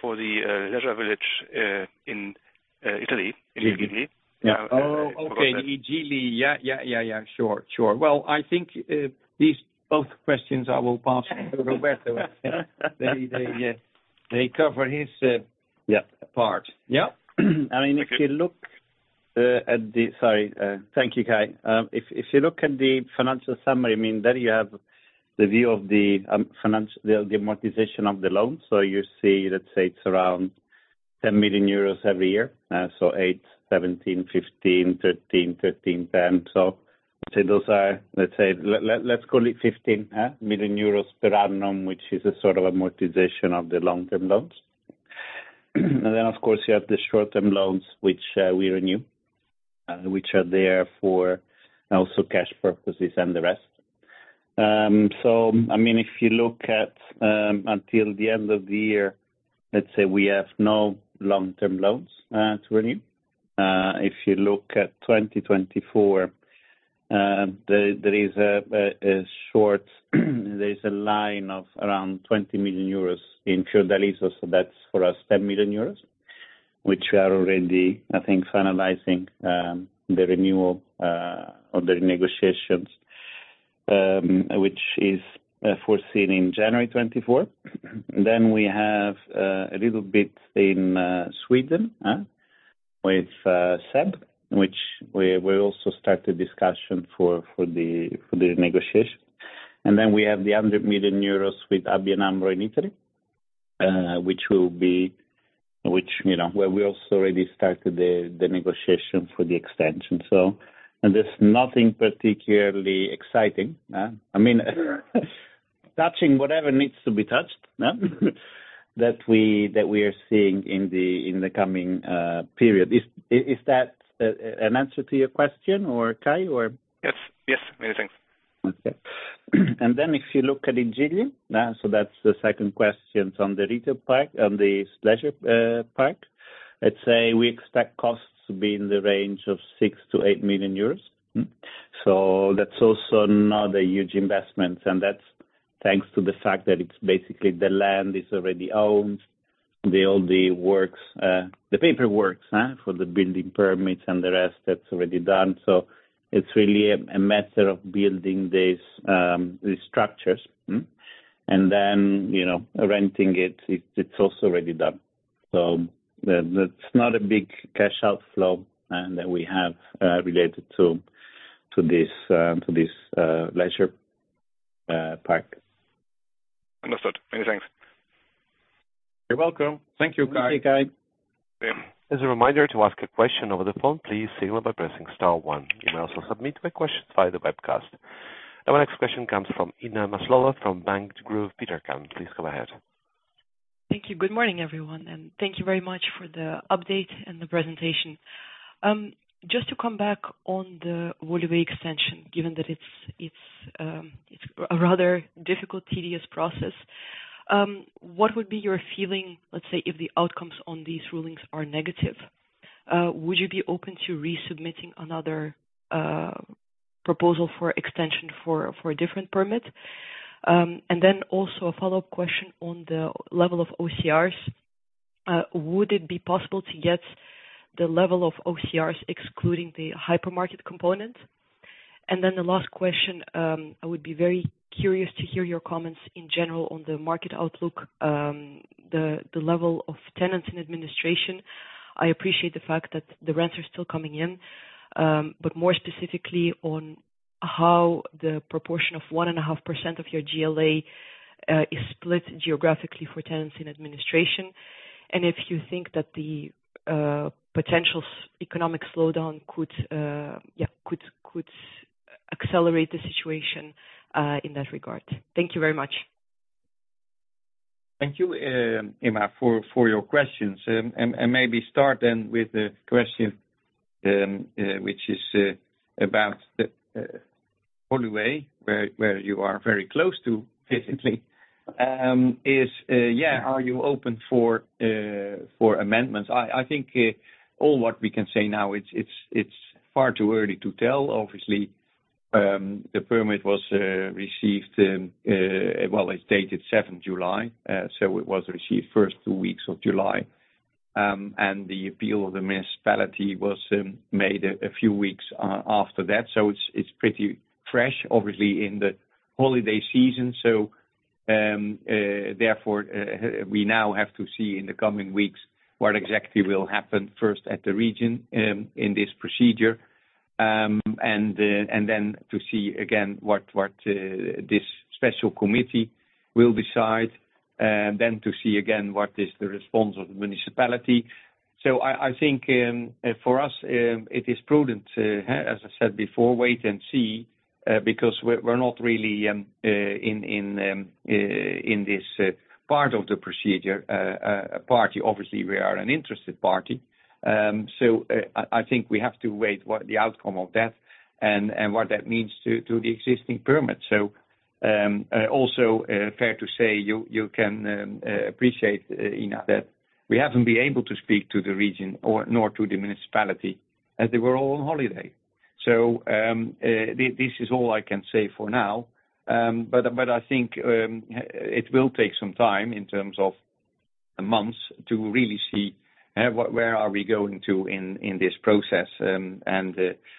for the leisure village in Italy, I Gigli? Oh, okay. I Gigli. Yeah, yeah, yeah, sure. Sure. Well, I think, these both questions I will pass to Roberto. They cover his. Yeah... part. Yeah. I mean, if you look at the Sorry, thank you, Kai. If you look at the financial summary, I mean, there you have the view of the financial, the amortization of the loan. So you see, let's say, it's around 10 million euros every year. So 8, 17, 15, 13, 13, 10. So those are, let's say, let's call it 15 million euros per annum, which is a sort of amortization of the long-term loans. And then, of course, you have the short-term loans, which we renew, which are there for also cash purposes and the rest. So I mean, if you look at until the end of the year, let's say we have no long-term loans to renew. If you look at 2024, there is a line of around 20 million euros in Fiordaliso, so that's for us, 10 million euros, which are already, I think, finalizing the renewal or the negotiations, which is foreseen in January 2024. Then we have a little bit in Sweden with SEB, which we also start a discussion for the negotiation. And then we have the 100 million euros with ABN AMRO in Italy, which, you know, where we also already started the negotiation for the extension. And there's nothing particularly exciting, I mean, touching whatever needs to be touched, that we are seeing in the coming period. Is that an answer to your question or, Kai, or? Yes, yes. Many thanks. Okay. And then if you look at I Gigli, so that's the second question on the Retail Park, on the leisure park. I'd say we expect costs to be in the range of 6 million-8 million euros. So that's also not a huge investment, and that's thanks to the fact that it's basically the land is already owned, all the works, the paperwork, for the building permits and the rest, that's already done. So it's really a matter of building these structures. And then, you know, renting it, it's also already done. So that's not a big cash outflow that we have related to this leisure park. Understood. Many thanks. You're welcome. Thank you, Kai. Thank you, Kai. Yeah. As a reminder, to ask a question over the phone, please signal by pressing star one. You may also submit a question via the webcast. Our next question comes from Inna Maslova, from Bank Degroof Petercam. Please go ahead. Thank you. Good morning, everyone, and thank you very much for the update and the presentation. Just to come back on the Woluwe extension, given that it's a rather difficult, tedious process, what would be your feeling, let's say, if the outcomes on these rulings are negative? Would you be open to resubmitting another proposal for extension for a different permit? And then also a follow-up question on the level of OCRs. Would it be possible to get the level of OCRs excluding the hypermarket component? And then the last question, I would be very curious to hear your comments in general on the market outlook, the level of tenants in administration. I appreciate the fact that the rents are still coming in, but more specifically on how the proportion of 1.5% of your GLA is split geographically for tenants in administration. And if you think that the potential economic slowdown could accelerate the situation in that regard. Thank you very much. Thank you, Ina, for your questions. And maybe start then with the question, which is about the Woluwe, where you are very close to, physically. Yeah, are you open for amendments? I think all what we can say now, it's far too early to tell, obviously. The permit was received in, well, it's dated seventh July, so it was received first two weeks of July. And the appeal of the municipality was made a few weeks after that, so it's pretty fresh, obviously, in the holiday season. So, therefore, we now have to see in the coming weeks what exactly will happen first at the region, in this procedure. And then to see again what this special committee will decide, and then to see again what is the response of the municipality. So I think for us it is prudent to, as I said before, wait and see because we're not really in this part of the procedure party. Obviously, we are an interested party. So I think we have to wait what the outcome of that and what that means to the existing permit. So also fair to say, you can appreciate, Ina, that we haven't been able to speak to the region or nor to the municipality, as they were all on holiday. So this is all I can say for now. But I think it will take some time in terms of months to really see where we are going to in this process. And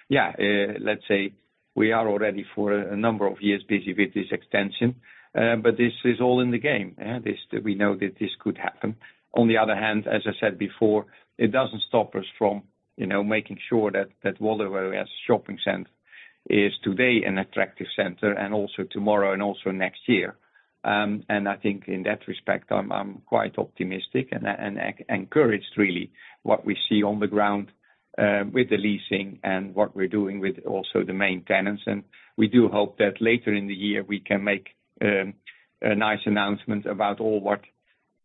yeah, let's say we are already for a number of years busy with this extension, but this is all in the game, yeah. This, we know that this could happen. On the other hand, as I said before, it doesn't stop us from, you know, making sure that Woluwe as a shopping center is today an attractive center and also tomorrow and also next year. And I think in that respect, I'm quite optimistic and encouraged, really, what we see on the ground with the leasing and what we're doing with also the main tenants. We do hope that later in the year, we can make a nice announcement about all what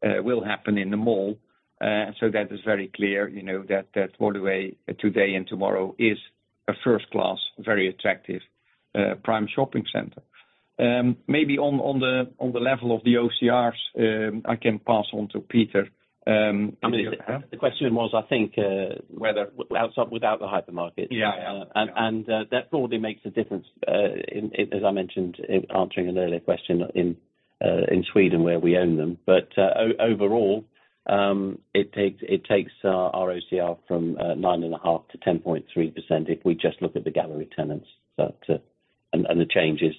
will happen in the mall. So that is very clear, you know, that that Woluwe today and tomorrow is a first-class, very attractive prime shopping center. Maybe on the level of the OCRs, I can pass on to Peter. The question was, I think, whether without the hypermarket. Yeah. That probably makes a difference, as I mentioned in answering an earlier question, in Sweden, where we own them. Overall, it takes our OCR from 9.5% - 10.3% if we just look at the gallery tenants. The change is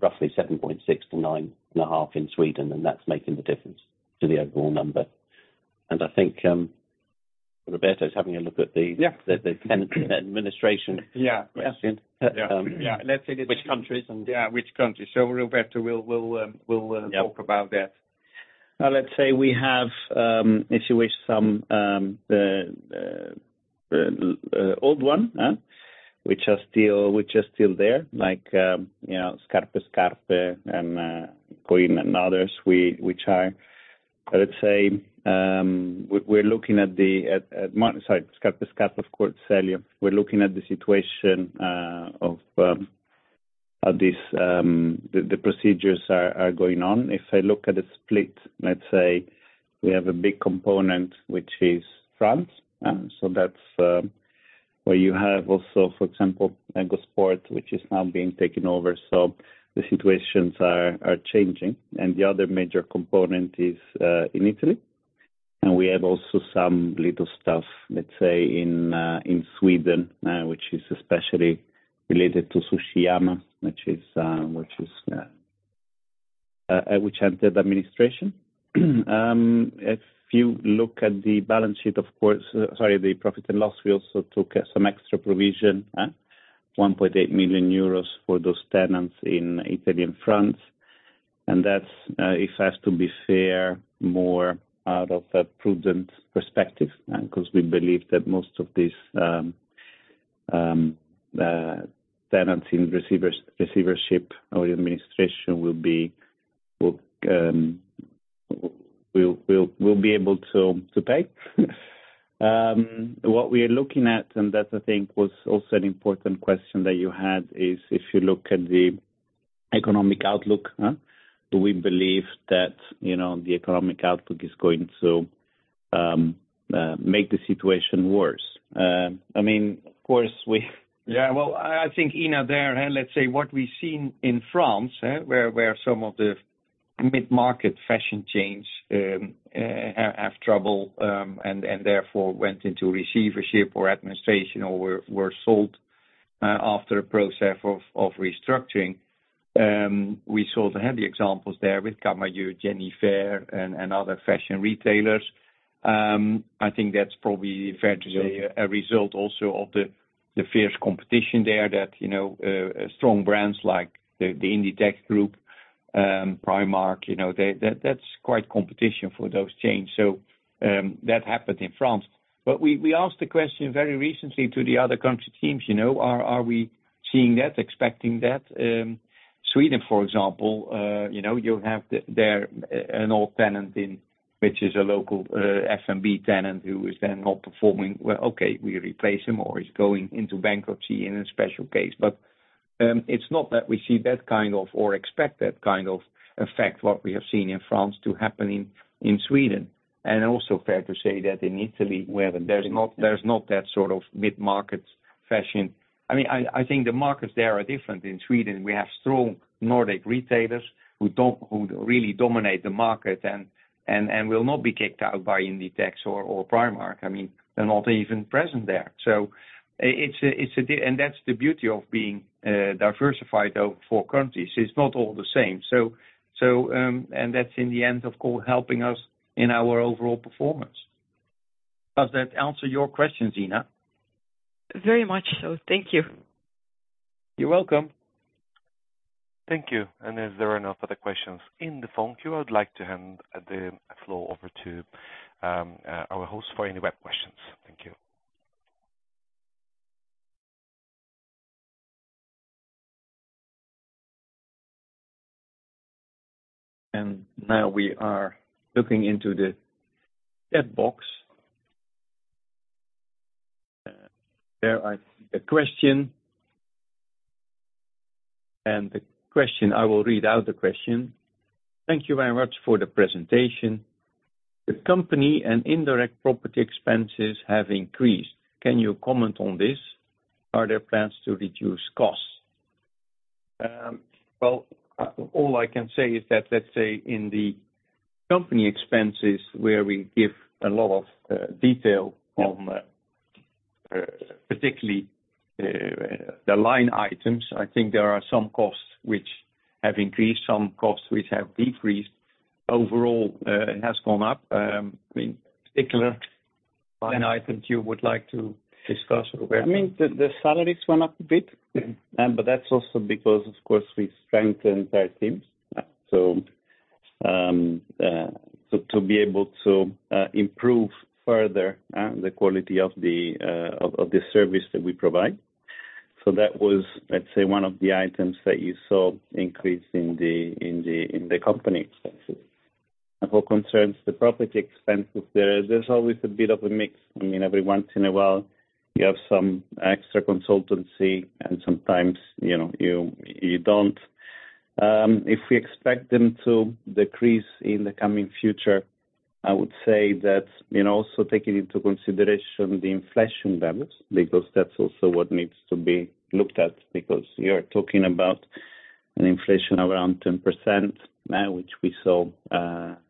roughly 7.6%-9.5% in Sweden, and that's making the difference to the overall number. I think Roberto is having a look at the- Yeah. The tenant administration. Yeah, yeah. Um. Yeah, let's say- Which countries and- Yeah, which countries. So Roberto will Yeah... talk about that. Let's say we have, if you wish, some old one, huh? Which are still there, like, you know, Scarpe Scarpe and Queen and others, which are, let's say, we're looking at the, sorry, Scarpe Scarpe, of course, Celio. We're looking at the situation of this, the procedures are going on. If I look at the split, let's say we have a big component, which is France, so that's where you have also, for example, Go Sport, which is now being taken over. So the situations are changing. And the other major component is in Italy. And we have also some little stuff, let's say, in Sweden, which is especially related to Sushi Yama, which entered administration. If you look at the balance sheet, of course. Sorry, the profit and loss, we also took some extra provision, 1.8 million euros for those tenants in Italy and France. And that's, if I have to be fair, more out of a prudent perspective, because we believe that most of these tenants in receivership or administration will be able to pay. What we are looking at, and that I think was also an important question that you had, is if you look at the economic outlook, huh? Do we believe that, you know, the economic outlook is going to make the situation worse? I mean, of course, we - Yeah, well, I think, Ina, there, and let's say what we've seen in France, where some of the mid-market fashion chains have trouble, and therefore, went into receivership or administration or were sold after a process of restructuring. We saw the heavy examples there with Camaieu, Jennyfer, and other fashion retailers. I think that's probably fair to say, a result also of the fierce competition there that, you know, strong brands like the Inditex group, Primark, you know, they, that's quite competition for those chains. So, that happened in France. But we asked the question very recently to the other country teams, you know, are we seeing that, expecting that? Sweden, for example, you know, you have an old tenant in which is a local SMB tenant who is then not performing well, okay, we replace him or he's going into bankruptcy in a special case. But, it's not that we see that kind of or expect that kind of effect, what we have seen in France to happen in Sweden. And also fair to say that in Italy, where there's not that sort of mid-market fashion. I mean, I think the markets there are different. In Sweden, we have strong Nordic retailers who really dominate the market and will not be kicked out by Inditex or Primark. I mean, they're not even present there. So it's a and that's the beauty of being diversified over four countries. It's not all the same. So, and that's in the end, of course, helping us in our overall performance. Does that answer your question, Inna? Very much so. Thank you. You're welcome. Thank you. And as there are no further questions in the phone queue, I would like to hand the floor over to our host for any web questions. Thank you. Now we are looking into the chat box. There are a question. And the question, I will read out the question: Thank you very much for the presentation. The company and indirect property expenses have increased. Can you comment on this? Are there plans to reduce costs? Well, all I can say is that, let's say in the company expenses, where we give a lot of detail on particularly the line items, I think there are some costs which have increased, some costs which have decreased. Overall, it has gone up. In particular, line items you would like to discuss, Roberto. I mean, the salaries went up a bit, but that's also because, of course, we strengthened our teams. So to be able to improve further the quality of the service that we provide. So that was, let's say, one of the items that you saw increase in the company expenses. And what concerns the property expenses, there's always a bit of a mix. I mean, every once in a while, you have some extra consultancy, and sometimes, you know, you don't. If we expect them to decrease in the coming future, I would say that, you know, also taking into consideration the inflation levels, because that's also what needs to be looked at, because you're talking about an inflation around 10%, which we saw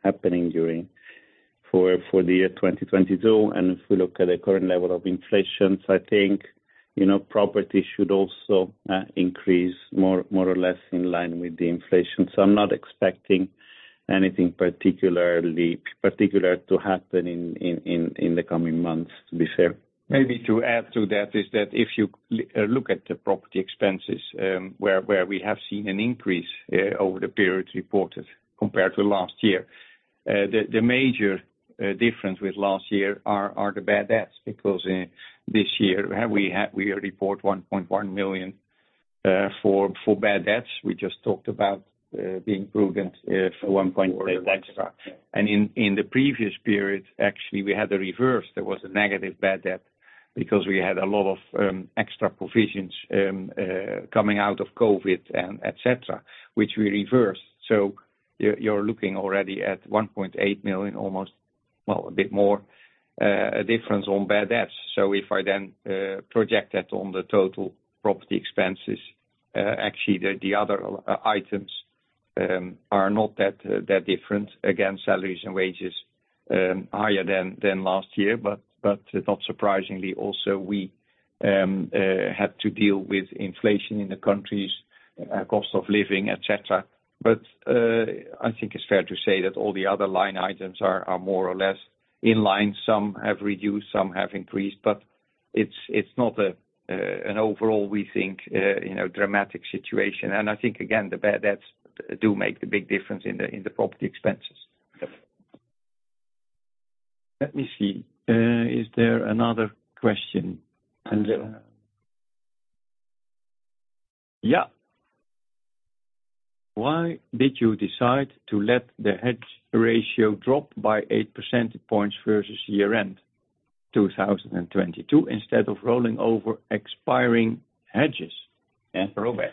happening during... For the year 2022. If we look at the current level of inflation, so I think, you know, property should also increase more or less in line with the inflation. So I'm not expecting anything particularly particular to happen in the coming months, to be fair. Maybe to add to that is that if you look at the property expenses, where we have seen an increase over the period reported compared to last year, the major difference with last year are the bad debts, because this year, we report 1.1 million for bad debts. We just talked about the improvement for 1.8 extra. And in the previous period, actually, we had the reverse. There was a negative bad debt because we had a lot of extra provisions coming out of COVID, et cetera, which we reversed. So you're looking already at 1.8 million, almost, well, a bit more, a difference on bad debts. So if I then project that on the total property expenses, actually, the other items are not that different. Again, salaries and wages higher than last year, but not surprisingly, also, we had to deal with inflation in the countries, cost of living, et cetera. But I think it's fair to say that all the other line items are more or less in line. Some have reduced, some have increased, but it's not an overall, we think, you know, dramatic situation. And I think, again, the bad debts do make the big difference in the property expenses. Let me see. Is there another question, Angelo? Yeah. Why did you decide to let the hedge ratio drop by 8 percentage points versus year-end 2022, instead of rolling over expiring hedges? Yeah, Roberto.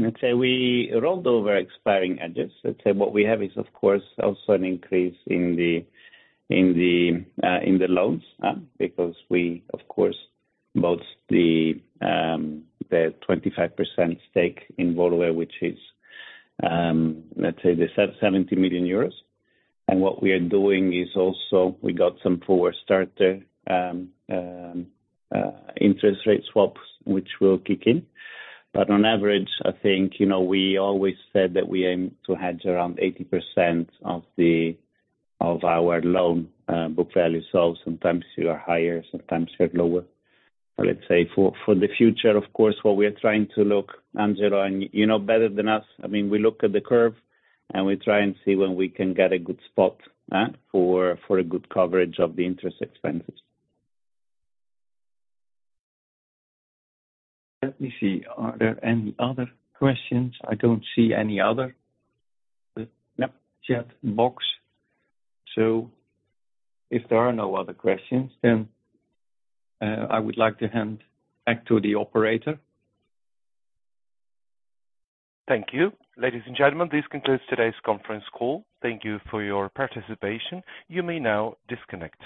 Let's say we rolled over expiring hedges. Let's say what we have is, of course, also an increase in the loans, because we, of course, bought the 25% stake in Woluwe, which is, let's say, the 70 million euros. And what we are doing is also, we got some forward starting interest rate swaps, which will kick in. But on average, I think, you know, we always said that we aim to hedge around 80% of our loan book value. So sometimes you are higher, sometimes you're lower. But let's say for the future, of course, what we are trying to look, Angelo, and you know better than us, I mean, we look at the curve, and we try and see when we can get a good spot, for a good coverage of the interest expenses. Let me see. Are there any other questions? I don't see any other. Yep. Chat box. So if there are no other questions, then, I would like to hand back to the operator. Thank you. Ladies and gentlemen, this concludes today's conference call. Thank you for your participation. You may now disconnect.